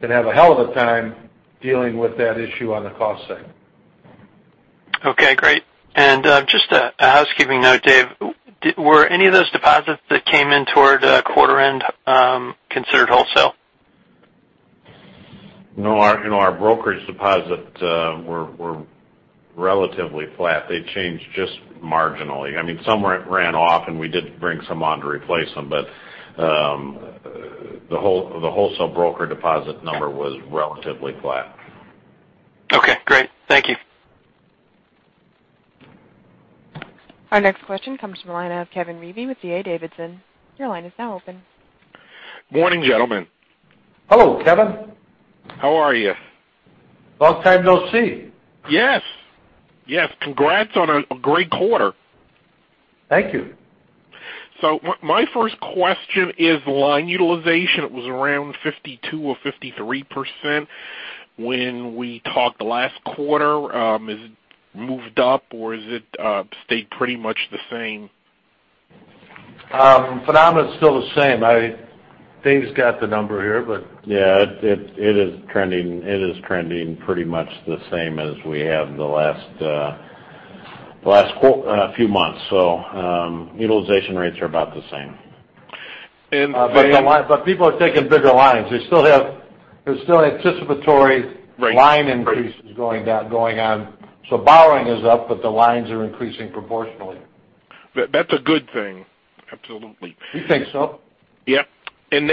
can have a hell of a time dealing with that issue on the cost side. Okay, great. Just a housekeeping note, Dave. Were any of those deposits that came in toward quarter end considered wholesale? No, our brokerage deposits were relatively flat. They changed just marginally. Some ran off, we did bring some on to replace them. The wholesale broker deposit number was relatively flat. Okay, great. Thank you. Our next question comes from the line of Kevin Reevey with D.A. Davidson. Your line is now open. Morning, gentlemen. Hello, Kevin. How are you? Long time no see. Yes. Congrats on a great quarter. Thank you. My first question is line utilization. It was around 52% or 53% when we talked last quarter. Has it moved up, or has it stayed pretty much the same? For now, it's still the same. Dave's got the number here. Yeah. It is trending pretty much the same as we have the last few months. Utilization rates are about the same. And- People are taking bigger lines. There's still anticipatory line increases going on. Borrowing is up, but the lines are increasing proportionally. That's a good thing. Absolutely. We think so. Ed,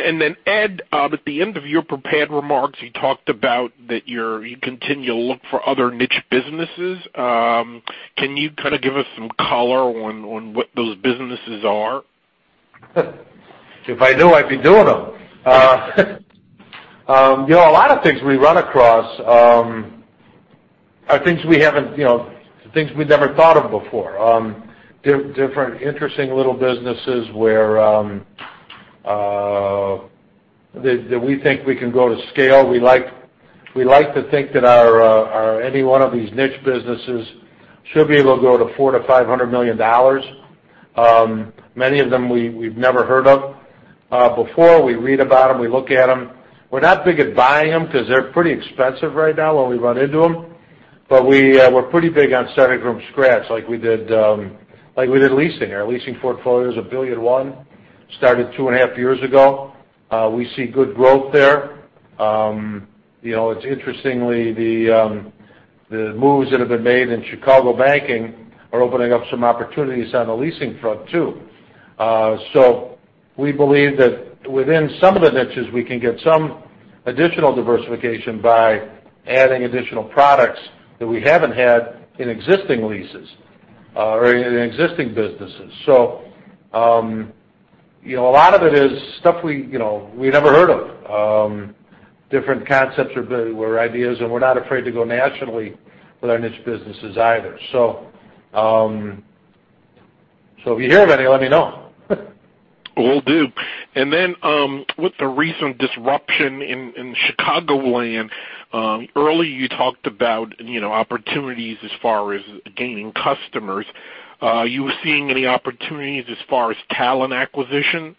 at the end of your prepared remarks, you talked about that you continue to look for other niche businesses. Can you kind of give us some color on what those businesses are? If I knew, I'd be doing them. A lot of things we run across are things we never thought of before. Different, interesting little businesses where we think we can go to scale. We like to think that any one of these niche businesses should be able to go to $400 million-$500 million. Many of them we've never heard of before. We read about them, we look at them. We're not big at buying them because they're pretty expensive right now when we run into them. But we're pretty big on starting from scratch, like we did leasing. Our leasing portfolio is a billion and one. Started two and a half years ago. We see good growth there. Interestingly, the moves that have been made in Chicago banking are opening up some opportunities on the leasing front, too. We believe that within some of the niches, we can get some additional diversification by adding additional products that we haven't had in existing niches or in existing businesses. A lot of it is stuff we've never heard of. Different concepts or ideas, and we're not afraid to go nationally with our niche businesses either. If you hear of any, let me know. Will do. With the recent disruption in Chicagoland, earlier you talked about opportunities as far as gaining customers. Are you seeing any opportunities as far as talent acquisition?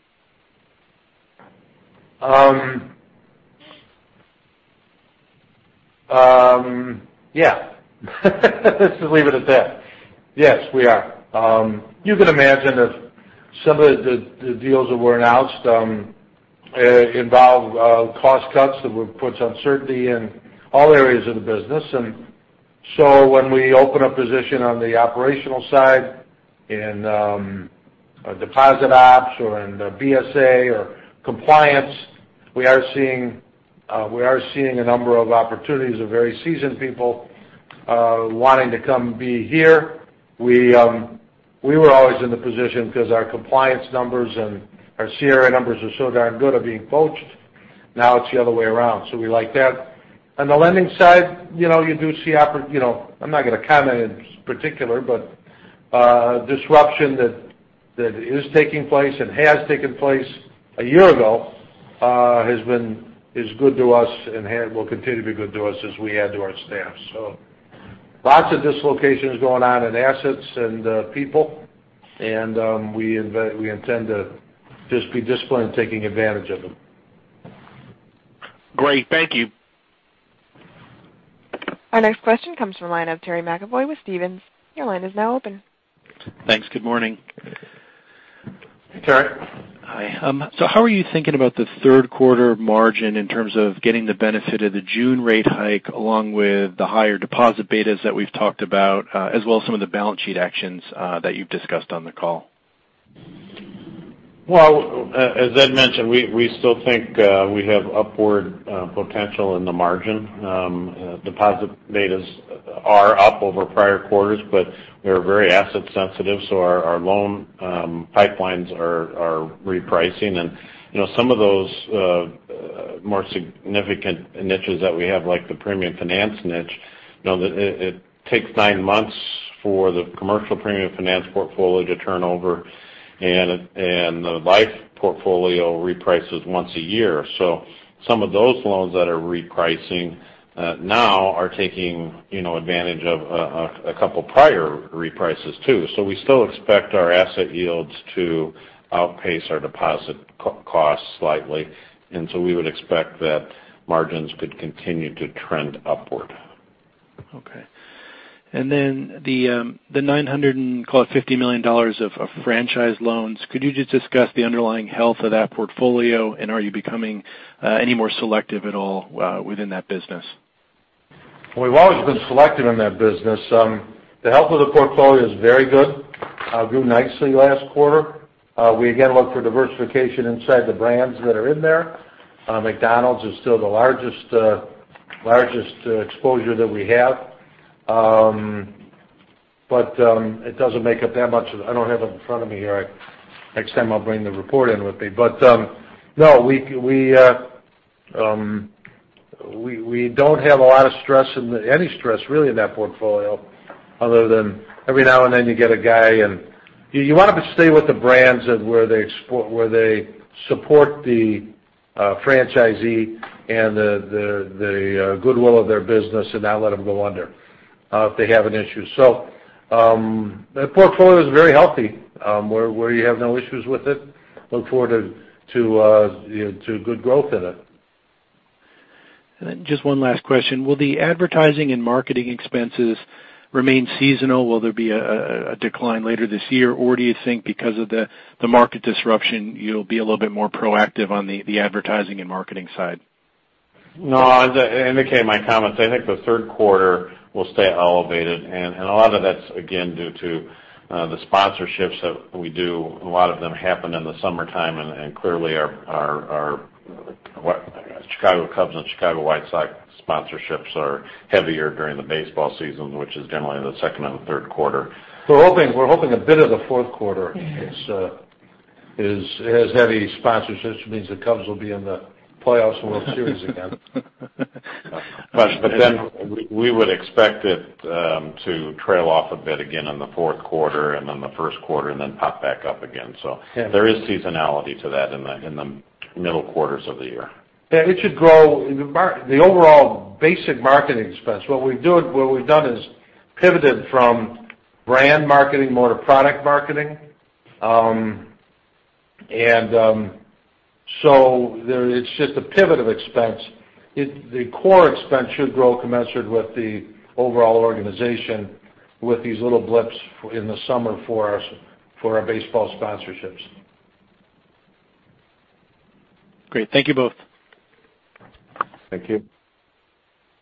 Yeah. Just leave it at that. Yes, we are. You can imagine that some of the deals that were announced involve cost cuts that would put uncertainty in all areas of the business. When we open a position on the operational side in deposit ops or in BSA or compliance, we are seeing a number of opportunities of very seasoned people wanting to come be here. We were always in the position because our compliance numbers and our CRA numbers are so darn good at being poached. Now it's the other way around. We like that. On the lending side, I'm not going to comment in particular, but disruption that is taking place and has taken place a year ago is good to us and will continue to be good to us as we add to our staff. Lots of dislocations going on in assets and people, and we intend to just be disciplined in taking advantage of them. Great. Thank you. Our next question comes from the line of Terry McEvoy with Stephens. Your line is now open. Thanks. Good morning. Hey, Terry. Hi. How are you thinking about the third quarter margin in terms of getting the benefit of the June rate hike, along with the higher deposit betas that we've talked about, as well as some of the balance sheet actions that you've discussed on the call? Well, as Ed mentioned, we still think we have upward potential in the margin. Deposit betas are up over prior quarters, we are very asset sensitive, our loan pipelines are repricing. Some of those more significant niches that we have, like the premium finance niche, it takes nine months for the commercial premium finance portfolio to turn over, and the life portfolio reprices once a year. Some of those loans that are repricing now are taking advantage of a couple of prior reprices, too. We still expect our asset yields to outpace our deposit costs slightly. We would expect that margins could continue to trend upward. Okay. The $950 million of franchise loans. Could you just discuss the underlying health of that portfolio? Are you becoming any more selective at all within that business? We've always been selective in that business. The health of the portfolio is very good. Grew nicely last quarter. We again look for diversification inside the brands that are in there. McDonald's is still the largest exposure that we have. It doesn't make up that much. I don't have it in front of me here. Next time I'll bring the report in with me. No, we don't have a lot of stress, any stress really, in that portfolio other than every now and then you get a guy, and you want to stay with the brands where they support the franchisee and the goodwill of their business and not let them go under if they have an issue. The portfolio is very healthy, where you have no issues with it. Look forward to good growth in it. Just one last question. Will the advertising and marketing expenses remain seasonal? Will there be a decline later this year? Or do you think because of the market disruption, you'll be a little bit more proactive on the advertising and marketing side? No. As I indicated in my comments, I think the third quarter will stay elevated, and a lot of that's, again, due to the sponsorships that we do. A lot of them happen in the summertime, and clearly our Chicago Cubs and Chicago White Sox sponsorships are heavier during the baseball season, which is generally in the second and the third quarter. We're hoping a bit of the fourth quarter has heavy sponsorships, which means the Cubs will be in the playoffs and World Series again. We would expect it to trail off a bit again in the fourth quarter and then the first quarter and then pop back up again. There is seasonality to that in the middle quarters of the year. Yeah, it should grow. The overall basic marketing expense, what we've done is pivoted from brand marketing more to product marketing. It's just a pivot of expense. The core expense should grow commensurate with the overall organization with these little blips in the summer for our baseball sponsorships. Great. Thank you both. Thank you.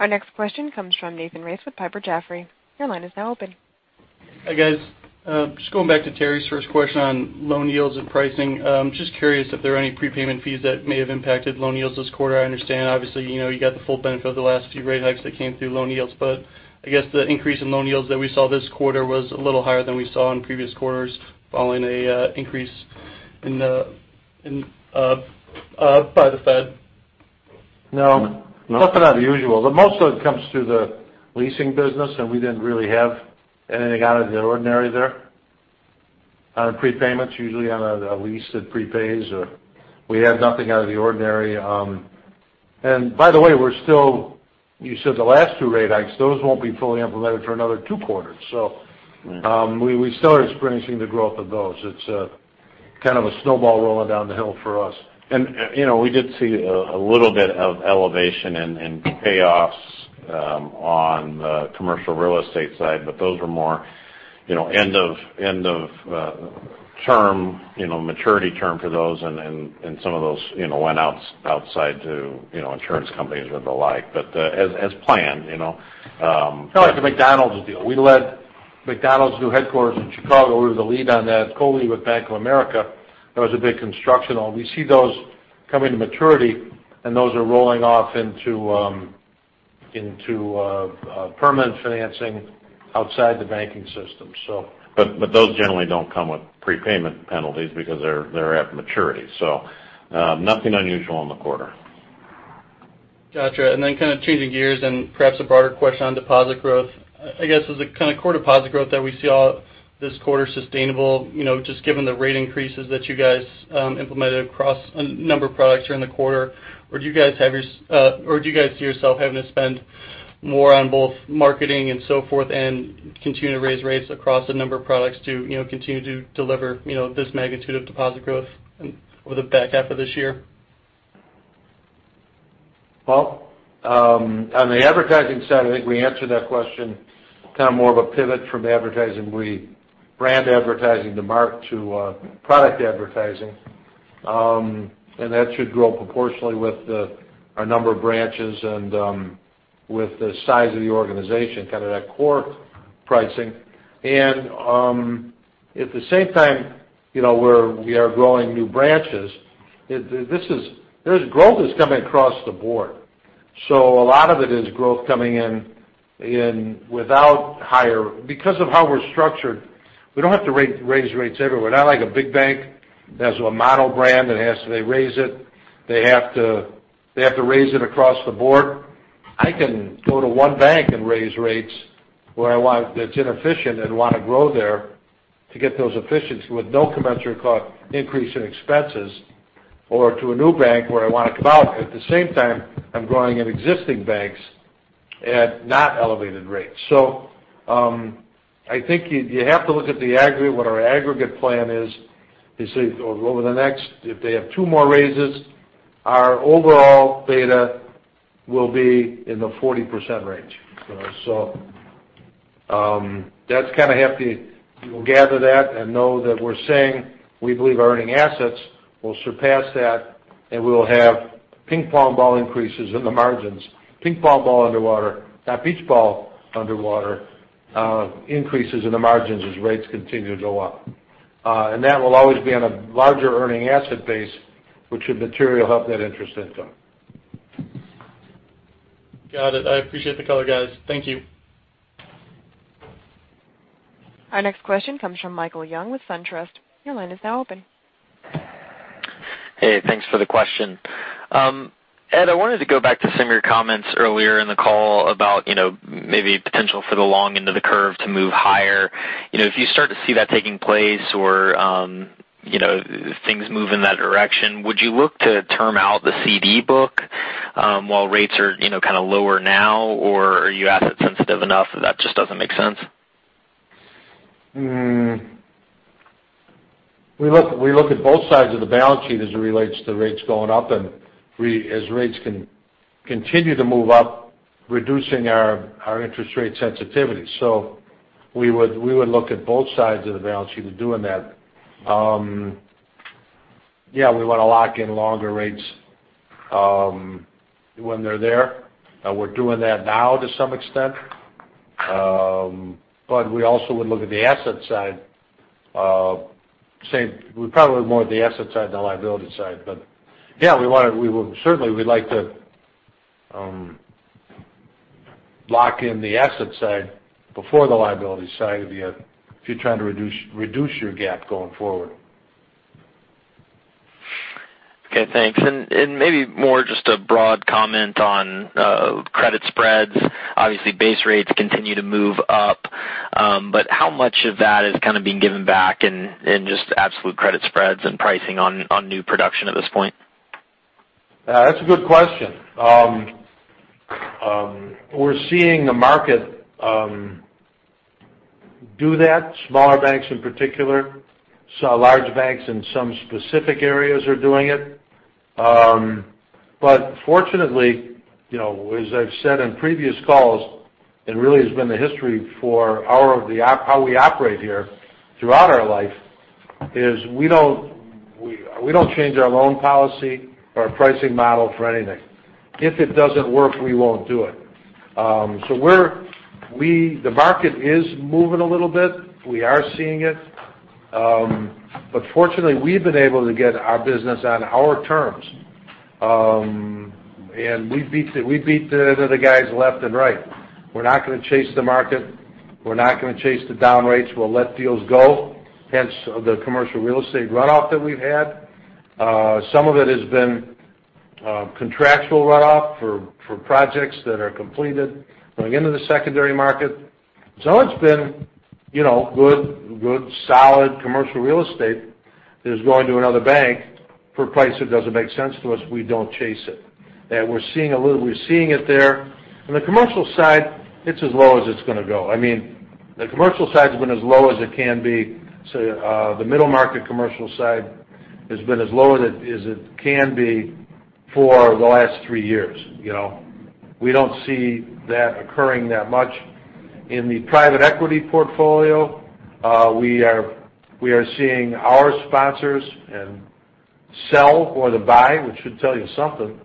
Our next question comes from Nathan Race with Piper Sandler. Your line is now open. Hi, guys. Just going back to Terry's first question on loan yields and pricing. Just curious if there are any prepayment fees that may have impacted loan yields this quarter. I understand, obviously, you got the full benefit of the last few rate hikes that came through loan yields. I guess the increase in loan yields that we saw this quarter was a little higher than we saw in previous quarters following an increase by the Fed. No. Nothing unusual. Most of it comes through the leasing business, we didn't really have anything out of the ordinary there on prepayments. Usually on a lease that prepays. We have nothing out of the ordinary. By the way, you said the last two rate hikes. Those won't be fully implemented for another two quarters. We still are experiencing the growth of those. It's kind of a snowball rolling down the hill for us. We did see a little bit of elevation in payoffs on the commercial real estate side, those were more end of maturity term for those, some of those went outside to insurance companies or the like. As planned. Like the McDonald's deal. We led McDonald's new headquarters in Chicago. We were the lead on that, co-lead with Bank of America. That was a big construction loan. We see those coming to maturity, those are rolling off into permanent financing outside the banking system. Those generally don't come with prepayment penalties because they're at maturity. Nothing unusual in the quarter. Got you. Kind of changing gears and perhaps a broader question on deposit growth. Is the kind of core deposit growth that we saw this quarter sustainable, just given the rate increases that you guys implemented across a number of products during the quarter? Do you guys see yourself having to spend more on both marketing and so forth and continue to raise rates across a number of products to continue to deliver this magnitude of deposit growth over the back half of this year? Well, on the advertising side, I think we answered that question. Kind of more of a pivot from advertising. Brand advertising to product advertising. That should grow proportionally with our number of branches and with the size of the organization, kind of that core pricing. At the same time, we are growing new branches. Growth is coming across the board. A lot of it is growth coming in without because of how we're structured, we don't have to raise rates everywhere. Not like a big bank that has a model brand, and they raise it. They have to raise it across the board. I can go to one bank and raise rates where it's inefficient and want to grow there to get those efficiencies with no commensurate cost increase in expenses, or to a new bank where I want to come out. At the same time, I'm growing in existing banks at not elevated rates. I think you have to look at what our aggregate plan is. If they have two more raises, our overall beta will be in the 40% range. That's kind of, you will gather that and know that we're saying we believe our earning assets will surpass that, and we will have ping pong ball increases in the margins. Ping pong ball underwater. Not beach ball underwater. Increases in the margins as rates continue to go up. That will always be on a larger earning asset base, which should materially help that interest income. Got it. I appreciate the color, guys. Thank you. Our next question comes from Michael Young with SunTrust. Your line is now open. Hey, thanks for the question. Ed, I wanted to go back to some of your comments earlier in the call about maybe potential for the long end of the curve to move higher. If you start to see that taking place or if things move in that direction, would you look to term out the CD book while rates are kind of lower now? Or are you asset sensitive enough that that just doesn't make sense? We look at both sides of the balance sheet as it relates to rates going up. As rates continue to move up, reducing our interest rate sensitivity. We would look at both sides of the balance sheet in doing that. Yeah, we want to lock in longer rates when they're there. We're doing that now to some extent. We also would look at the asset side. We'd probably look more at the asset side than the liability side. Yeah, certainly we'd like to lock in the asset side before the liability side if you're trying to reduce your gap going forward. Okay, thanks. Maybe more just a broad comment on credit spreads. Obviously, base rates continue to move up. How much of that is kind of being given back in just absolute credit spreads and pricing on new production at this point? That's a good question. We're seeing the market do that, smaller banks in particular. We saw large banks in some specific areas are doing it. Fortunately, as I've said in previous calls, it really has been the history for how we operate here throughout our life, is we don't change our loan policy or our pricing model for anything. If it doesn't work, we won't do it. The market is moving a little bit. We are seeing it. Fortunately, we've been able to get our business on our terms. We beat the other guys left and right. We're not going to chase the market. We're not going to chase the down rates. We'll let deals go. Hence, the commercial real estate runoff that we've had. Some of it has been contractual runoff for projects that are completed, going into the secondary market. Some of it's been good, solid commercial real estate that is going to another bank for a price that doesn't make sense to us. We don't chase it. We're seeing it there. On the commercial side, it's as low as it's going to go. The commercial side's been as low as it can be. The middle market commercial side has been as low as it can be for the last three years. We don't see that occurring that much. In the private equity portfolio, we are seeing our sponsors sell more than buy, which should tell you something.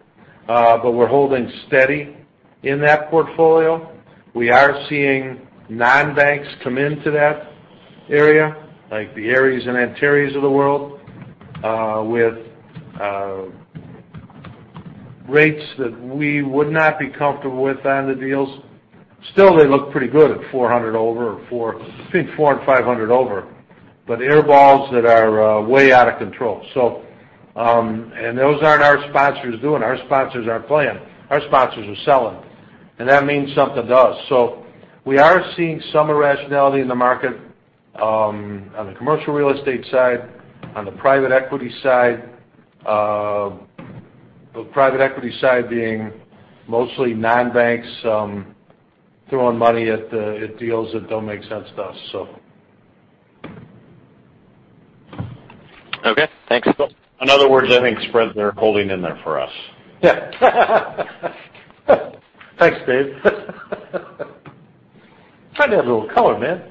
We're holding steady in that portfolio. We are seeing non-banks come into that area, like the Ares and Antares of the world, with rates that we would not be comfortable with on the deals. Still, they look pretty good at 400 over, between 400 and 500 over. Air balls that are way out of control. Those aren't our sponsors doing. Our sponsors aren't playing. Our sponsors are selling. That means something to us. We are seeing some irrationality in the market on the commercial real estate side, on the private equity side. The private equity side being mostly non-banks throwing money at deals that don't make sense to us. Okay, thanks. In other words, I think spreads are holding in there for us. Yeah. Thanks, Dave. Trying to have a little color, man.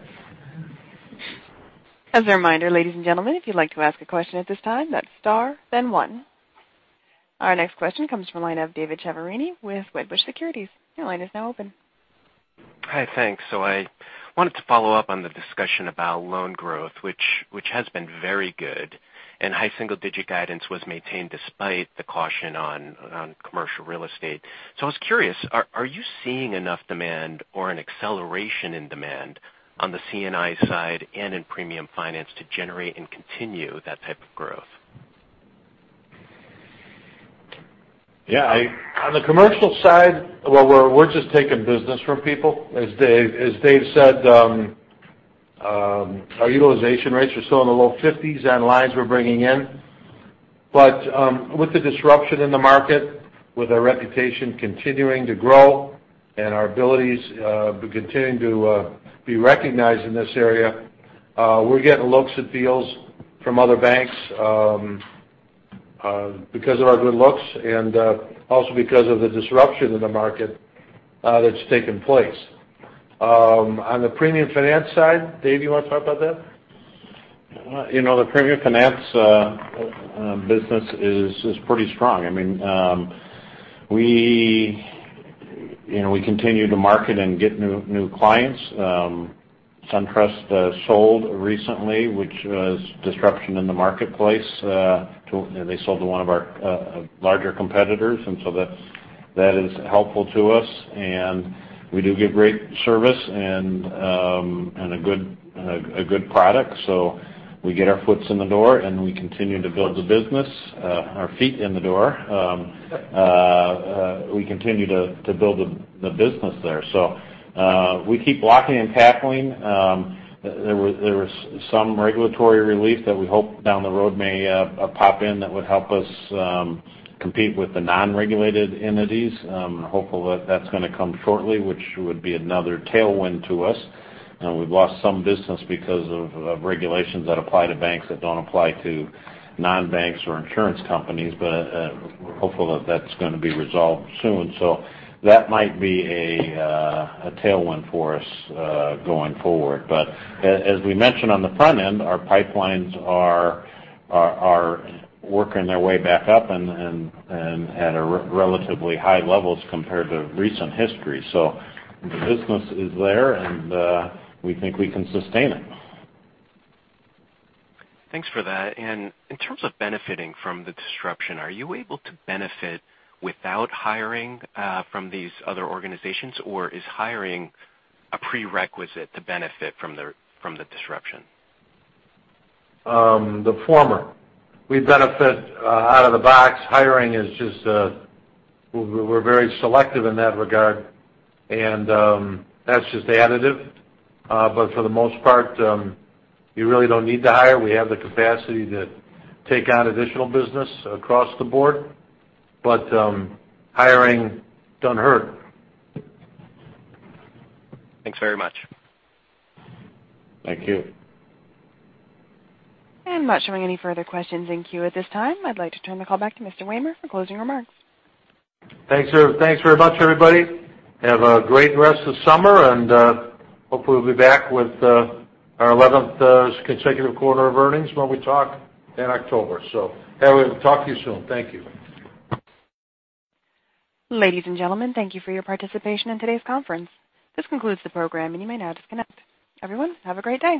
As a reminder, ladies and gentlemen, if you'd like to ask a question at this time, that's star then one. Our next question comes from the line of David Chiaverini with Wedbush Securities. Your line is now open. Hi, thanks. I wanted to follow up on the discussion about loan growth, which has been very good, and high single-digit guidance was maintained despite the caution on commercial real estate. I was curious, are you seeing enough demand or an acceleration in demand on the C&I side and in premium finance to generate and continue that type of growth? Yeah. On the commercial side, we're just taking business from people. As Dave said, our utilization rates are still in the low 50s on lines we're bringing in. With the disruption in the market, with our reputation continuing to grow and our abilities continuing to be recognized in this area, we're getting looks at deals from other banks because of our good looks and also because of the disruption in the market that's taken place. On the premium finance side, Dave, you want to talk about that? The premium finance business is pretty strong. We continue to market and get new clients. SunTrust sold recently, which was disruption in the marketplace. They sold to one of our larger competitors, that is helpful to us. We do give great service and a good product, so we get our feet in the door, and we continue to build the business. Our feet in the door. We continue to build the business there. We keep blocking and tackling. There was some regulatory relief that we hope down the road may pop in that would help us compete with the non-regulated entities. I'm hopeful that's going to come shortly, which would be another tailwind to us. We've lost some business because of regulations that apply to banks that don't apply to non-banks or insurance companies, we're hopeful that that's going to be resolved soon. That might be a tailwind for us going forward. As we mentioned on the front end, our pipelines are working their way back up and at relatively high levels compared to recent history. The business is there, and we think we can sustain it. Thanks for that. In terms of benefiting from the disruption, are you able to benefit without hiring from these other organizations? Or is hiring a prerequisite to benefit from the disruption? The former. We benefit out of the box. Hiring is just, we're very selective in that regard, and that's just additive. For the most part, you really don't need to hire. We have the capacity to take on additional business across the board, but hiring doesn't hurt. Thanks very much. Thank you. I'm not showing any further questions in queue at this time. I'd like to turn the call back to Mr. Wehmer for closing remarks. Thanks very much, everybody. Have a great rest of the summer, and hopefully we'll be back with our 11th consecutive quarter of earnings when we talk in October. Anyway, talk to you soon. Thank you. Ladies and gentlemen, thank you for your participation in today's conference. This concludes the program, and you may now disconnect. Everyone, have a great day.